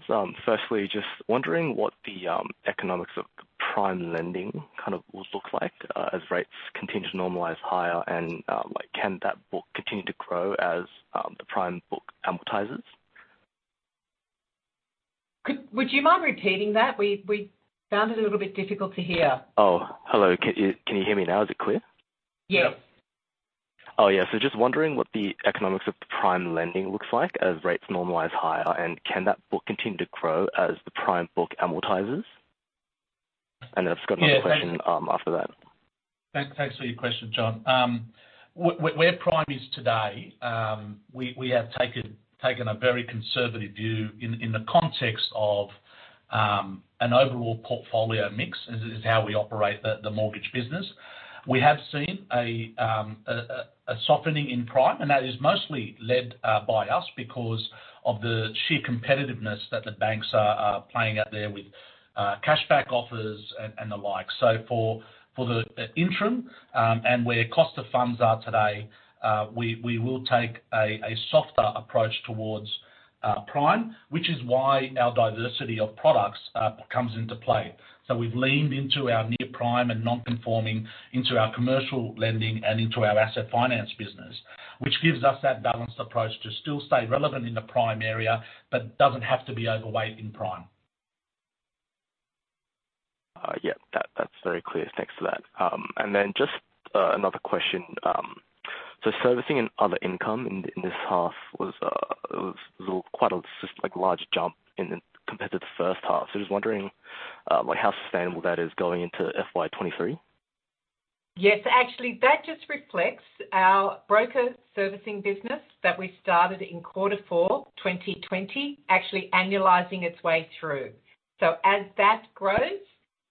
Firstly, just wondering what the economics of prime lending kind of will look like, as rates continue to normalize higher and, like, can that book continue to grow as the prime book amortizes? Would you mind repeating that? We found it a little bit difficult to hear. Oh, hello. Can you hear me now? Is it clear? Yes. Yeah. Oh, yeah. Just wondering what the economics of the prime lending looks like as rates normalize higher, and can that book continue to grow as the prime book amortizes? Then I've got another question, after that. Thanks for your question, John. Where prime is today, we have taken a very conservative view in the context of an overall portfolio mix as is how we operate the mortgage business. We have seen a softening in prime, and that is mostly led by us because of the sheer competitiveness that the banks are playing out there with cashback offers and the like. For the interim, and where cost of funds are today, we will take a softer approach towards prime, which is why our diversity of products comes into play. We've leaned into our Near Prime and non-conforming into our commercial lending and into our asset finance business, which gives us that balanced approach to still stay relevant in the prime area, but doesn't have to be overweight in prime. Yeah. That's very clear. Thanks for that. Then just another question. Servicing and other income in this half was quite a large jump compared to the first half. I was wondering, like, how sustainable that is going into FY23? Yes. Actually, that just reflects our broker servicing business that we started in quarter four, 2020, actually annualizing its way through. As that grows,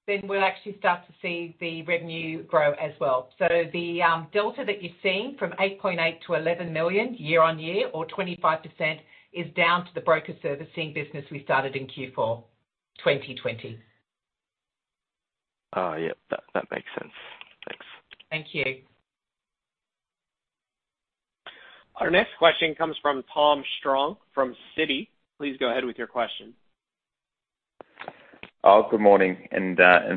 then we'll actually start to see the revenue grow as well. The delta that you're seeing from 8.8 million to 11 million year-over-year or 25% is down to the broker servicing business we started in Q4, 2020. Oh, yeah. That, that makes sense. Thanks. Thank you. Our next question comes from Thomas Strong from Citi. Please go ahead with your question. Good morning.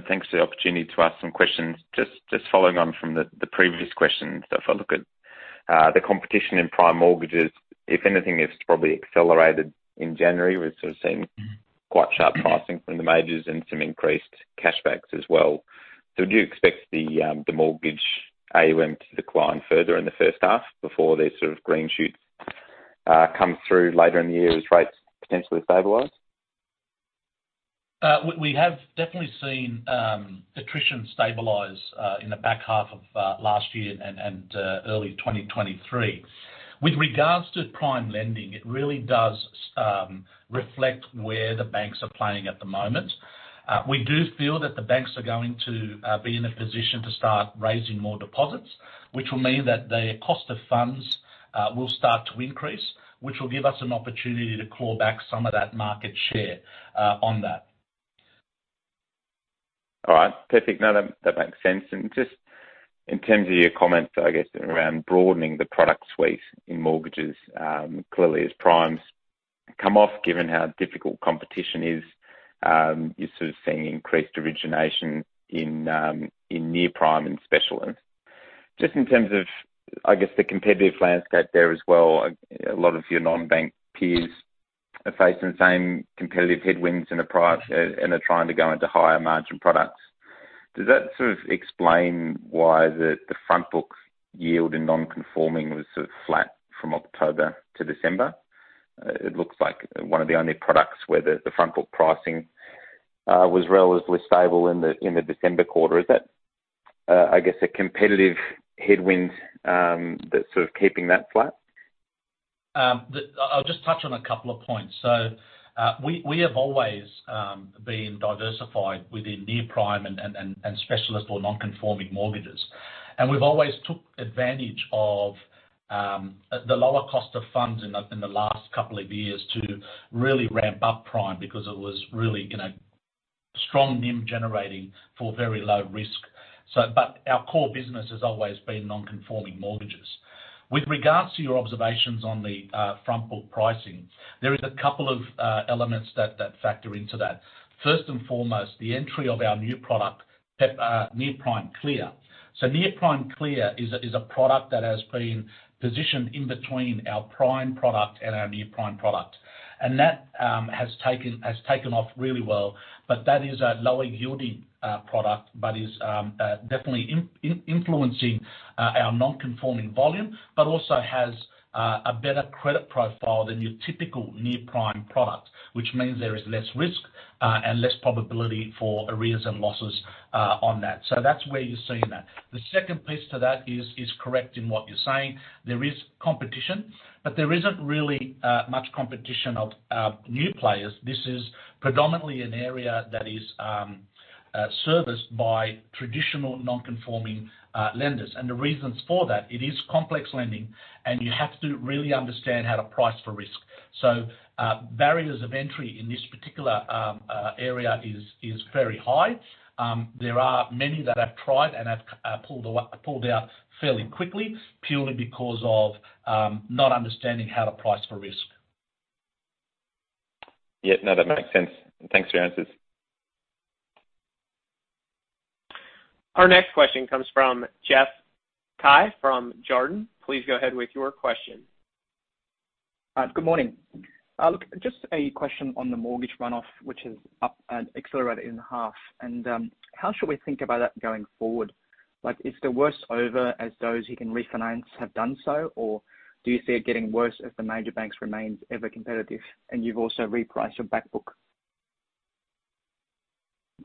Thanks for the opportunity to ask some questions. Just following on from the previous questions. If I look at the competition in prime mortgages, if anything, it's probably accelerated in January. We've sort of seen quite sharp pricing from the majors and some increased cashbacks as well. Do you expect the mortgage AUM to decline further in the first half before these sort of green shoots come through later in the year as rates potentially stabilize? We have definitely seen attrition stabilize in the back half of last year and early 2023. With regards to prime lending, it really does reflect where the banks are playing at the moment. We do feel that the banks are going to be in a position to start raising more deposits, which will mean that their cost of funds will start to increase, which will give us an opportunity to claw back some of that market share on that. All right. Perfect. No, that makes sense. Just in terms of your comments, I guess, around broadening the product suite in mortgages, clearly as primes come off, given how difficult competition is, you're sort of seeing increased origination in near prime and specialist. Just in terms of, I guess, the competitive landscape there as well, a lot of your non-bank peers are facing the same competitive headwinds in the prior, and they're trying to go into higher margin products. Does that sort of explain why the front book yield in non-conforming was sort of flat from October to December? It looks like one of the only products where the front book pricing was relatively stable in the December quarter. Is that, I guess, a competitive headwind that's sort of keeping that flat? I'll just touch on a couple of points. We have always been diversified within near prime and specialist or non-conforming mortgages. We've always took advantage of the lower cost of funds in the last couple of years to really ramp up prime because it was really, you know, strong NIM generating for very low risk. But our core business has always been non-conforming mortgages. With regards to your observations on the front book pricing, there is a couple of elements that factor into that. First and foremost, the entry of our new product, Near Prime Clear. Near Prime Clear is a product that has been positioned in between our prime product and our near prime product. That has taken off really well. That is a lower yielding product, but is definitely influencing our non-conforming volume, but also has a better credit profile than your typical near-prime product, which means there is less risk and less probability for arrears and losses on that. That's where you're seeing that. The second piece to that is correct in what you're saying. There is competition, but there isn't really much competition of new players. This is predominantly an area that is serviced by traditional non-conforming lenders. The reasons for that, it is complex lending, and you have to really understand how to price for risk. Barriers of entry in this particular area is very high. There are many that have tried and have pulled out fairly quickly purely because of not understanding how to price for risk. Yeah. No, that makes sense. Thanks for your answers. Our next question comes from Jeff Cai from Jarden. Please go ahead with your question. Good morning. Look, just a question on the mortgage runoff, which is up and accelerated in half. How should we think about that going forward? Is the worst over as those who can refinance have done so? Do you see it getting worse if the major banks remain ever competitive and you've also repriced your back book?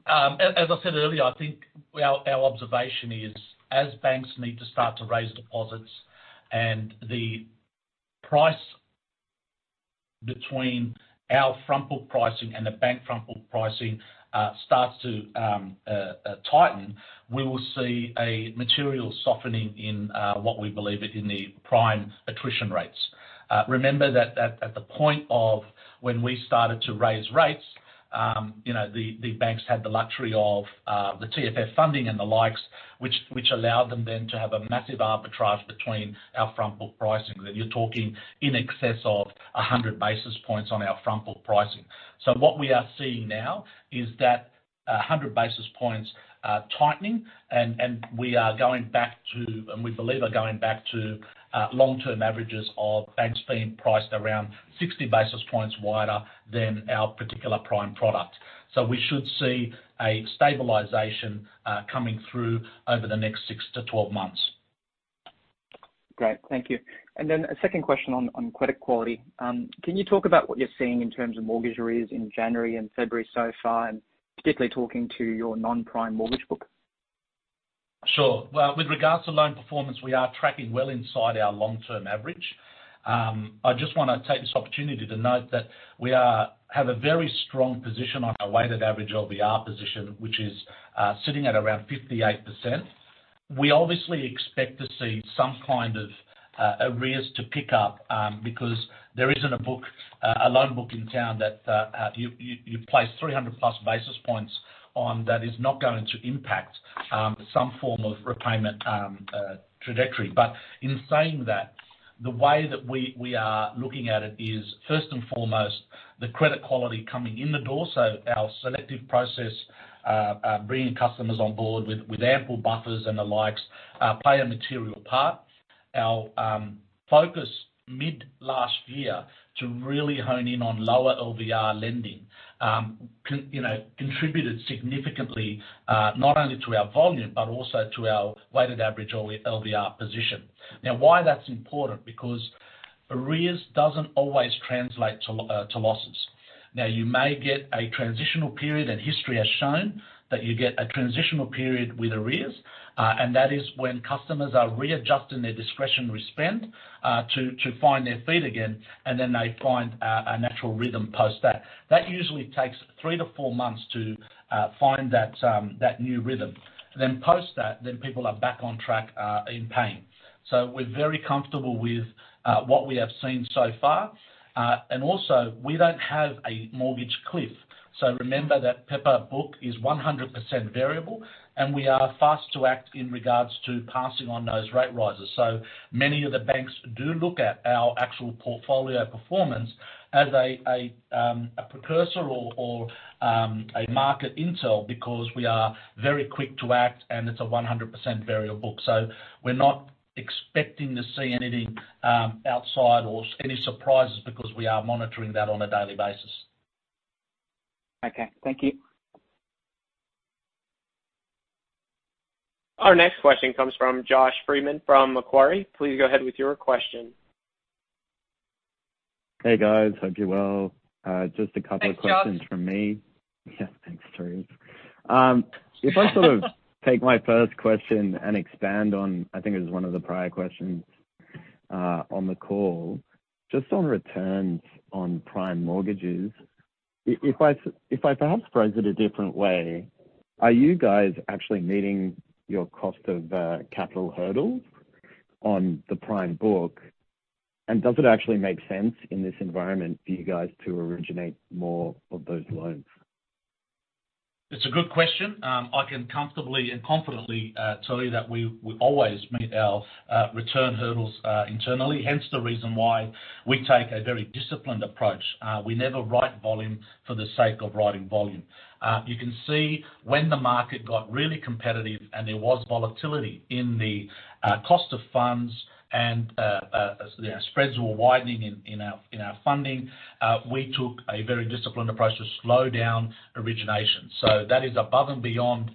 As I said earlier, I think our observation is as banks need to start to raise deposits and the price between our front book pricing and the bank front book pricing starts to tighten, we will see a material softening in what we believe in the prime attrition rates. Remember that at the point of when we started to raise rates, you know, the banks had the luxury of the TFF funding and the likes, which allowed them then to have a massive arbitrage between our front book pricing, that you're talking in excess of 100 basis points on our front book pricing. What we are seeing now is that 100 basis points tightening and we are going back to... We believe are going back to long-term averages of banks being priced around 60 basis points wider than our particular prime product. We should see a stabilization coming through over the next six to 12 months. Great. Thank you. A second question on credit quality. Can you talk about what you're seeing in terms of mortgage arrears in January and February so far, and particularly talking to your non-prime mortgage book? Sure. Well, with regards to loan performance, we are tracking well inside our long-term average. I just wanna take this opportunity to note that we have a very strong position on our weighted average LVR position, which is sitting at around 58%. We obviously expect to see some kind of arrears to pick up because there isn't a book, a loan book in town that you place 300 plus basis points on that is not going to impact some form of repayment trajectory. In saying that, the way that we are looking at it is, first and foremost, the credit quality coming in the door. Our selective process, bringing customers on board with ample buffers and the likes, play a material part. Our focus mid last year to really hone in on lower LVR lending, you know, contributed significantly, not only to our volume, but also to our weighted average LVR position. Now, why that's important? Because arrears doesn't always translate to losses. Now, you may get a transitional period, and history has shown that you get a transitional period with arrears, and that is when customers are readjusting their discretionary spend, to find their feet again, and then they find a natural rhythm post that. That usually takes three to four months to find that new rhythm. Post that, then people are back on track in paying. We're very comfortable with what we have seen so far. Also we don't have a mortgage cliff. Remember that Pepper book is 100% variable, and we are fast to act in regards to passing on those rate rises. Many of the banks do look at our actual portfolio performance as a precursor or a market intel because we are very quick to act and it's a 100% variable book. We're not expecting to see anything outside or any surprises because we are monitoring that on a daily basis. Okay. Thank you. Our next question comes from Josh Freeman from Macquarie. Please go ahead with your question. Hey, guys. Hope you're well. Just a couple of questions. Thanks, Josh. -from me. Yes, thanks, Therese. If I sort of take my first question and expand on, I think it was one of the prior questions on the call, just on returns on prime mortgages. If I perhaps phrase it a different way, are you guys actually meeting your cost of capital hurdles on the prime book? Does it actually make sense in this environment for you guys to originate more of those loans? It's a good question. I can comfortably and confidently tell you that we always meet our return hurdles internally, hence the reason why we take a very disciplined approach. We never write volume for the sake of writing volume. You can see when the market got really competitive and there was volatility in the cost of funds and spreads were widening in our, in our funding, we took a very disciplined approach to slow down origination. That is above and beyond,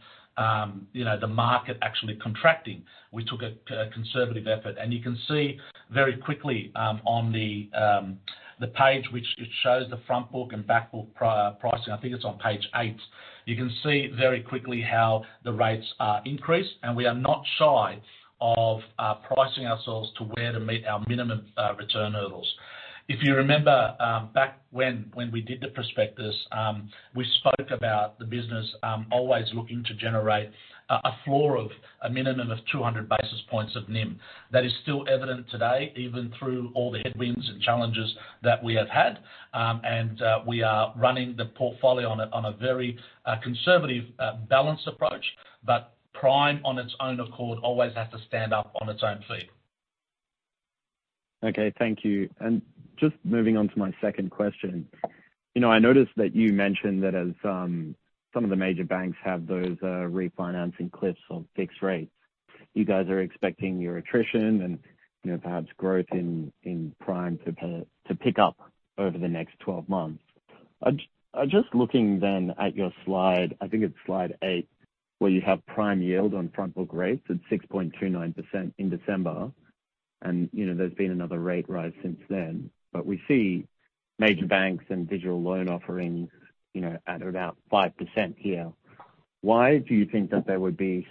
you know, the market actually contracting. We took a conservative effort, and you can see very quickly on the page which it shows the front book and back book pricing. I think it's on page eight. You can see very quickly how the rates are increased, and we are not shy of pricing ourselves to where to meet our minimum return hurdles. If you remember, back when we did the prospectus, we spoke about the business, always looking to generate a floor of a minimum of 200 basis points of NIM. That is still evident today, even through all the headwinds and challenges that we have had. We are running the portfolio on a very conservative, balanced approach. Prime, on its own accord, always has to stand up on its own feet. Okay. Thank you. Just moving on to my second question. You know, I noticed that you mentioned that as some of the major banks have those refinancing cliffs of fixed rates, you guys are expecting your attrition and, you know, perhaps growth in Prime to pick up over the next 12 months. I'm just looking then at your slide, I think it's slide eight, where you have Prime yield on front book rates at 6.29% in December. You know, there's been another rate rise since then. We see major banks and digital loan offerings, you know, at about 5% here. Why do you think that there would be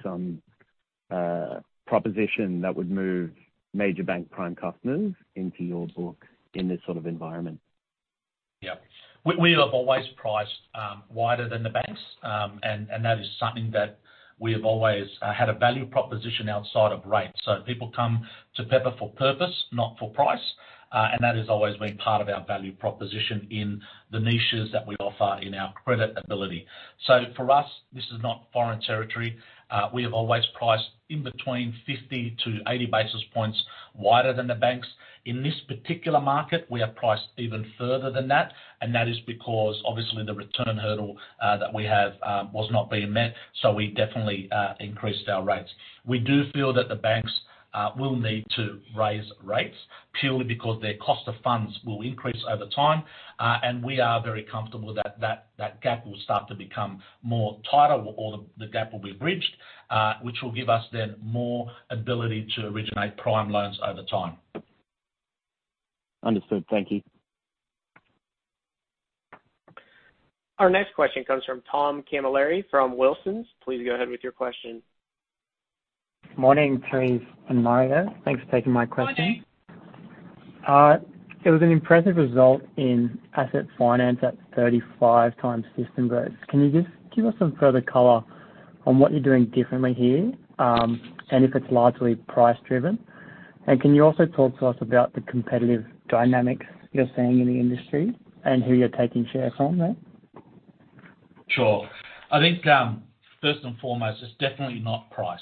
proposition that would move major bank prime customers into your book in this sort of environment? Yeah. We have always priced wider than the banks, and that is something that we have always had a value proposition outside of rates. People come to Pepper for purpose, not for price, and that has always been part of our value proposition in the niches that we offer in our credit ability. For us, this is not foreign territory. We have always priced in between 50 to 80 basis points wider than the banks. In this particular market, we are priced even further than that. That is because obviously the return hurdle that we have was not being met. We definitely increased our rates. We do feel that the banks will need to raise rates purely because their cost of funds will increase over time. We are very comfortable that gap will start to become more tighter or the gap will be bridged, which will give us then more ability to originate prime loans over time. Understood. Thank you. Our next question comes from Tom Camilleri from Wilsons. Please go ahead with your question. Morning, Therese and Mario. Thanks for taking my question. Morning. It was an impressive result in asset finance at 35 times system growth. Can you just give us some further color on what you're doing differently here, and if it's largely price driven? Can you also talk to us about the competitive dynamics you're seeing in the industry and who you're taking shares from there? Sure. I think first and foremost, it's definitely not price.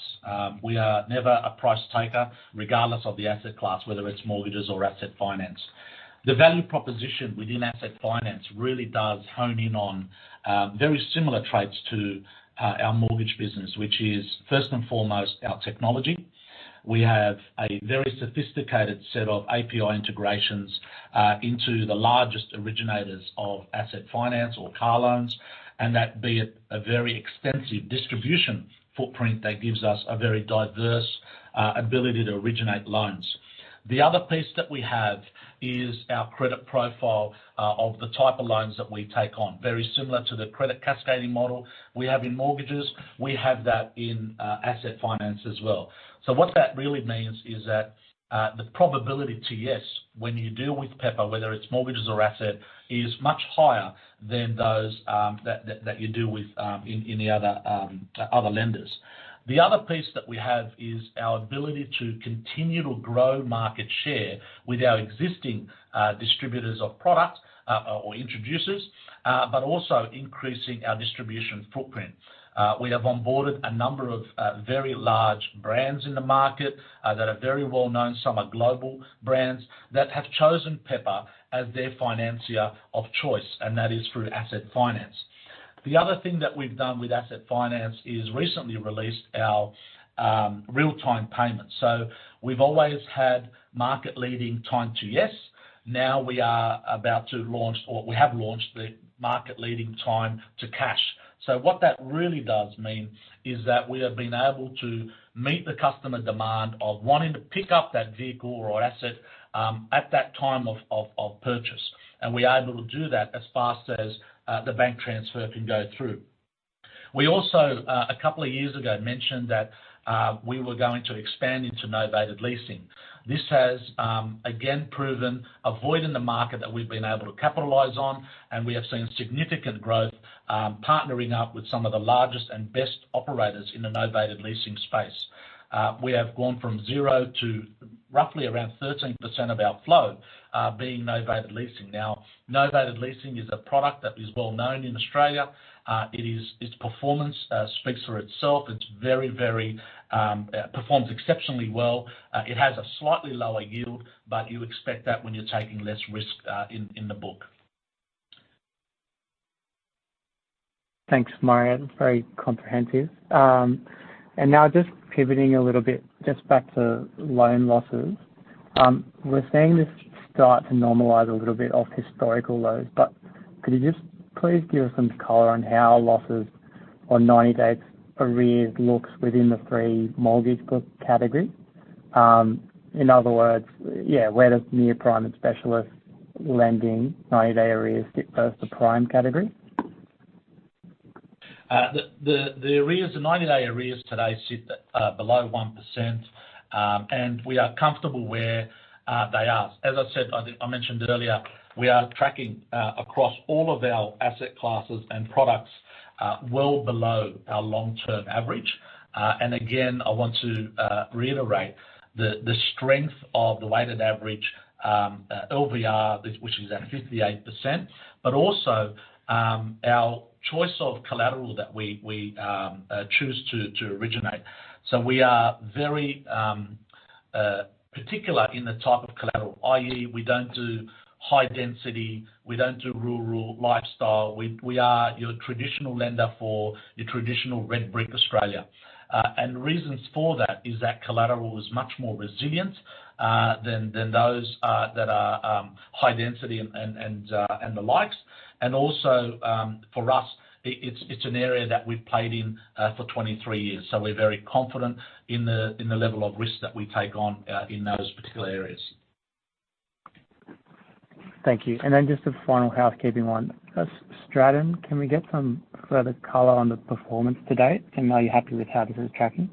We are never a price taker, regardless of the asset class, whether it's mortgages or asset finance. The value proposition within asset finance really does hone in on very similar traits to our mortgage business, which is first and foremost our technology. We have a very sophisticated set of API integrations into the largest originators of asset finance or car loans, and that be it a very extensive distribution footprint that gives us a very diverse ability to originate loans. The other piece that we have is our credit profile of the type of loans that we take on. Very similar to the credit cascading model we have in mortgages, we have that in asset finance as well. What that really means is that the probability to, yes, when you deal with Pepper, whether it's mortgages or asset, is much higher than those that you deal with in the other lenders. The other piece that we have is our ability to continue to grow market share with our existing distributors of product, or introducers, but also increasing our distribution footprint. We have onboarded a number of very large brands in the market that are very well-known. Some are global brands that have chosen Pepper as their financier of choice, and that is through asset finance. The other thing that we've done with asset finance is recently released our real-time payment. We've always had market-leading time to, yes. Now we are about to launch, or we have launched the market-leading time to cash. What that really does mean is that we have been able to meet the customer demand of wanting to pick up that vehicle or asset, at that time of purchase. We are able to do that as fast as the bank transfer can go through. We also a couple of years ago mentioned that we were going to expand into novated leasing. This has again proven a void in the market that we've been able to capitalize on, and we have seen significant growth, partnering up with some of the largest and best operators in the novated leasing space. We have gone from 0 to roughly around 13% of our flow, being novated leasing. Novated leasing is a product that is well-known in Australia. Its performance speaks for itself. It's very, performs exceptionally well. It has a slightly lower yield, but you expect that when you're taking less risk, in the book. Thanks, Mario. Very comprehensive. Now just pivoting a little bit just back to loan losses. We're seeing this start to normalize a little bit off historical lows. Could you just please give us some color on how losses or 90-day arrears looks within the three mortgage book category? In other words, yeah, where does near prime and specialist lending 90-day arrears fit versus the prime category? The arrears, the 90-day arrears today sit below 1%, and we are comfortable where they are. As I said, I think I mentioned it earlier, we are tracking across all of our asset classes and products well below our long-term average. Again, I want to reiterate the strength of the weighted average LVR, which is at 58%, but also our choice of collateral that we choose to originate. We are very particular in the type of collateral, i.e., we don't do high density, we don't do rural lifestyle. We are your traditional lender for your traditional red brick Australia. The reasons for that is that collateral is much more resilient than those that are high density and the likes. Also, for us, it's an area that we've played in for 23 years. We're very confident in the level of risk that we take on in those particular areas. Thank you. Then just a final housekeeping one. Stratton, can we get some further color on the performance to date? Are you happy with how this is tracking?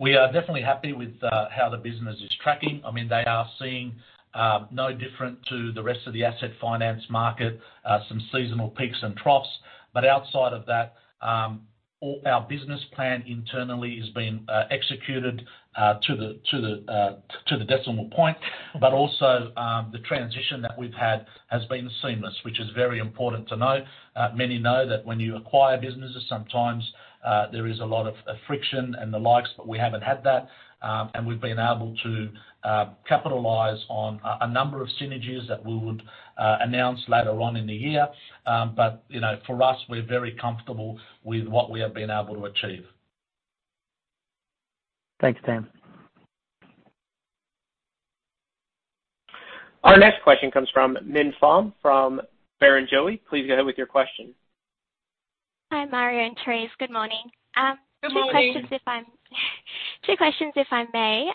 We are definitely happy with how the business is tracking. I mean, they are seeing, no different to the rest of the asset finance market, some seasonal peaks and troughs. Outside of that, all our business plan internally is being executed to the decimal point. Also, the transition that we've had has been seamless, which is very important to note. Many know that when you acquire businesses, sometimes there is a lot of friction and the likes, but we haven't had that. And we've been able to capitalize on a number of synergies that we would announce later on in the year. You know, for us, we're very comfortable with what we have been able to achieve. Thanks, team. Our next question comes from Minh Pham from Barrenjoey. Please go ahead with your question. Hi, Mario and Therese. Good morning. Good morning. Two questions if I may.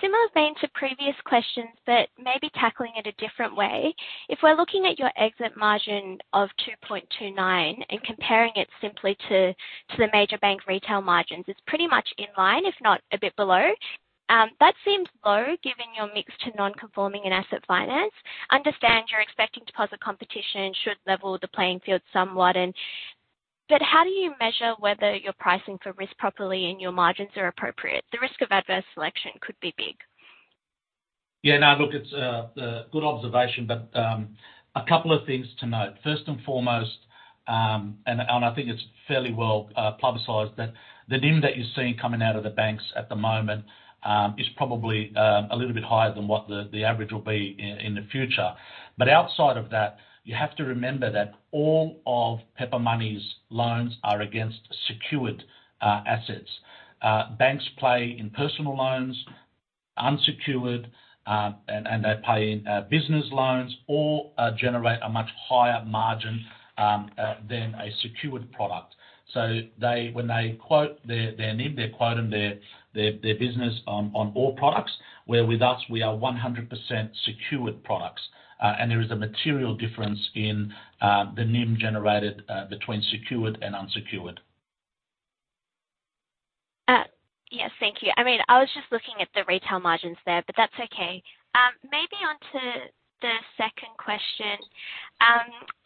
Similar vein to previous questions, maybe tackling it a different way. If we're looking at your exit margin of 2.29% and comparing it simply to the major bank retail margins, it's pretty much in line, if not a bit below. That seems low, given your mix to non-conforming and asset finance. Understand you're expecting deposit competition should level the playing field somewhat. How do you measure whether you're pricing for risk properly and your margins are appropriate? The risk of adverse selection could be big. Yeah. Now, look, it's a good observation, but a couple of things to note. First and foremost, and I think it's fairly well publicized, that the NIM that you're seeing coming out of the banks at the moment, is probably a little bit higher than what the average will be in the future. Outside of that, you have to remember that all of Pepper Money's loans are against secured assets. Banks play in personal loans, unsecured, and they pay in business loans all generate a much higher margin than a secured product. When they quote their NIM, they're quoting their business on all products. With us, we are 100% secured products. There is a material difference in the NIM generated between secured and unsecured. Yes. Thank you. I mean, I was just looking at the retail margins there, but that's okay. Maybe onto the second question.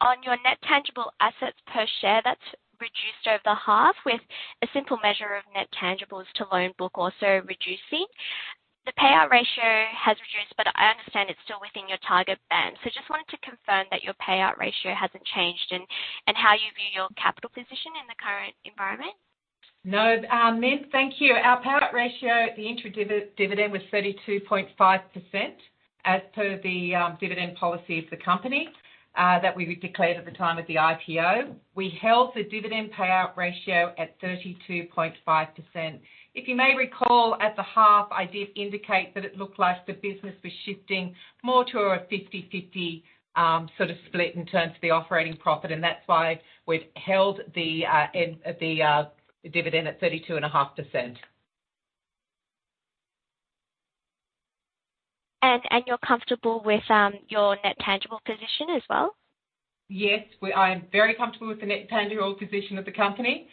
On your net tangible assets per share, that's reduced over half with a simple measure of net tangibles to loan book also reducing. The payout ratio has reduced, but I understand it's still within your target band. Just wanted to confirm that your payout ratio hasn't changed and how you view your capital position in the current environment. No. Minh, thank you. Our payout ratio, the dividend was 32.5%, as per the dividend policy of the company that we declared at the time of the IPO. We held the dividend payout ratio at 32.5%. If you may recall, at the half, I did indicate that it looked like the business was shifting more to a 50/50 sort of split in terms of the operating profit, that's why we've held the dividend at 32.5%. You're comfortable with your net tangible position as well? Yes. I am very comfortable with the net tangible position of the company.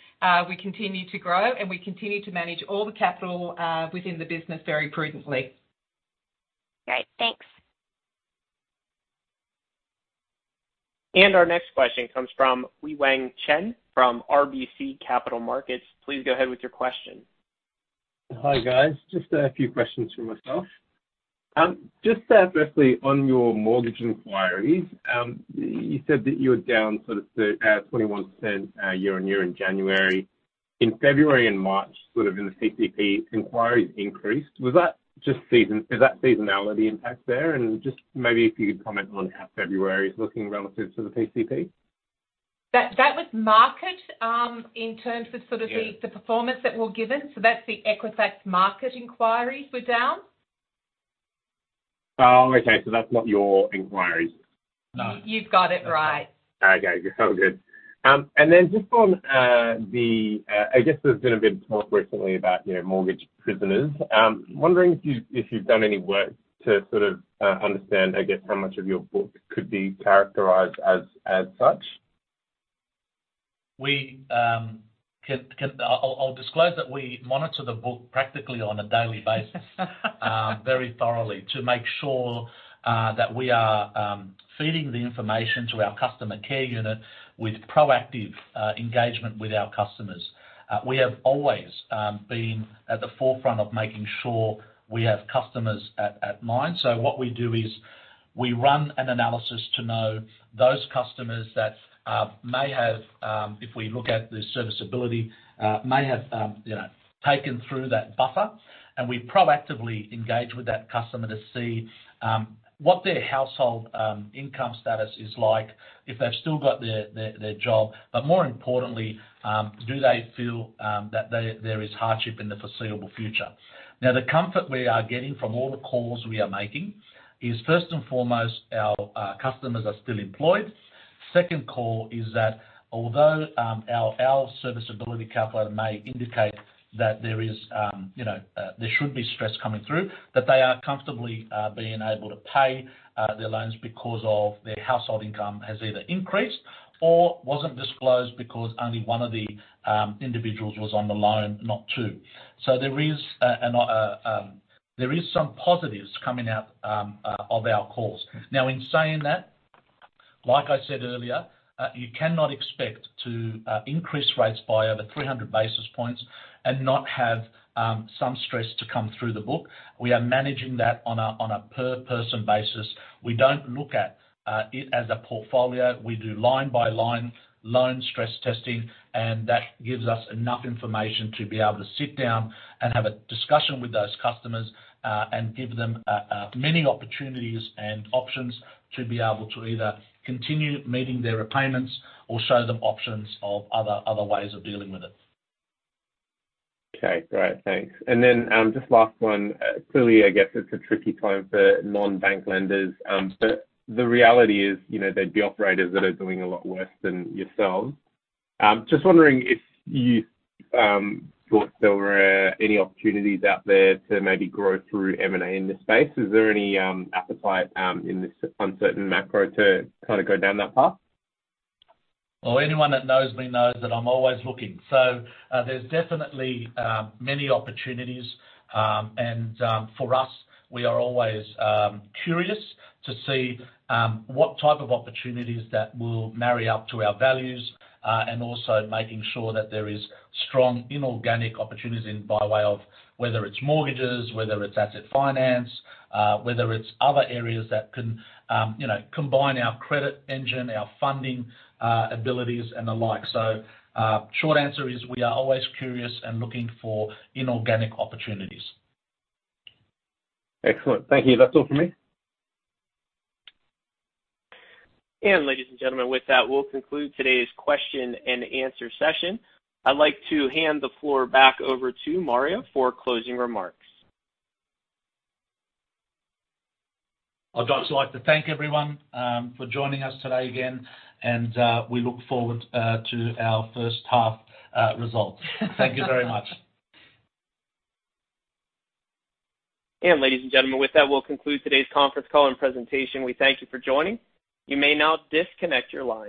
We continue to grow and we continue to manage all the capital within the business very prudently. Great. Thanks. Our next question comes from Wei-Weng Chen from RBC Capital Markets. Please go ahead with your question. Hi, guys. Just a few questions from myself. firstly on your mortgage inquiries, you said that you were down sort of 21% year-on-year in January. In February and March, sort of in the PCP, inquiries increased. Is that seasonality impact there? Just maybe if you could comment on how February is looking relative to the PCP. That was market. Yeah. the performance that we're given. That's the Equifax market inquiries were down. Oh, okay. That's not your inquiries. You've got it right. Okay, good. All good. Then just on the I guess there's been a bit of talk recently about, you know, mortgage prisoners. Wondering if you, if you've done any work to sort of understand, I guess, how much of your book could be characterized as such. We can disclose that we monitor the book practically on a daily basis, very thoroughly to make sure that we are feeding the information to our customer care unit with proactive engagement with our customers. We have always been at the forefront of making sure we have customers at mind. What we do is we run an analysis to know those customers that may have, if we look at the serviceability, may have, you know, taken through that buffer, and we proactively engage with that customer to see what their household income status is like, if they've still got their job. More importantly, do they feel that there is hardship in the foreseeable future? The comfort we are getting from all the calls we are making is, first and foremost, our customers are still employed. Second call is that although our serviceability calculator may indicate that there is, you know, there should be stress coming through, that they are comfortably being able to pay their loans because of their household income has either increased or wasn't disclosed because only one of the individuals was on the loan, not two. There is some positives coming out of our calls. In saying that, like I said earlier, you cannot expect to increase rates by over 300 basis points and not have some stress to come through the book. We are managing that on a per person basis. We don't look at it as a portfolio. We do line by line loan stress testing, and that gives us enough information to be able to sit down and have a discussion with those customers and give them many opportunities and options to be able to either continue meeting their repayments or show them options of other ways of dealing with it. Okay. Great. Thanks. Just last one. Clearly, I guess it's a tricky time for non-bank lenders. The reality is, you know, there'd be operators that are doing a lot worse than yourselves. Just wondering if you thought there were any opportunities out there to maybe grow through M&A in this space. Is there any appetite in this uncertain macro to kind of go down that path? Well, anyone that knows me knows that I'm always looking. There's definitely many opportunities. For us, we are always curious to see what type of opportunities that will marry up to our values, and also making sure that there is strong inorganic opportunities in by way of whether it's mortgages, whether it's asset finance, whether it's other areas that can, you know, combine our credit engine, our funding abilities and the like. Short answer is we are always curious and looking for inorganic opportunities. Excellent. Thank you. That's all for me. Ladies and gentlemen, with that, we'll conclude today's question and answer session. I'd like to hand the floor back over to Mario for closing remarks. I'd just like to thank everyone for joining us today again, and we look forward to our first half results. Thank you very much. Ladies and gentlemen, with that, we'll conclude today's conference call and presentation. We thank you for joining. You may now disconnect your lines.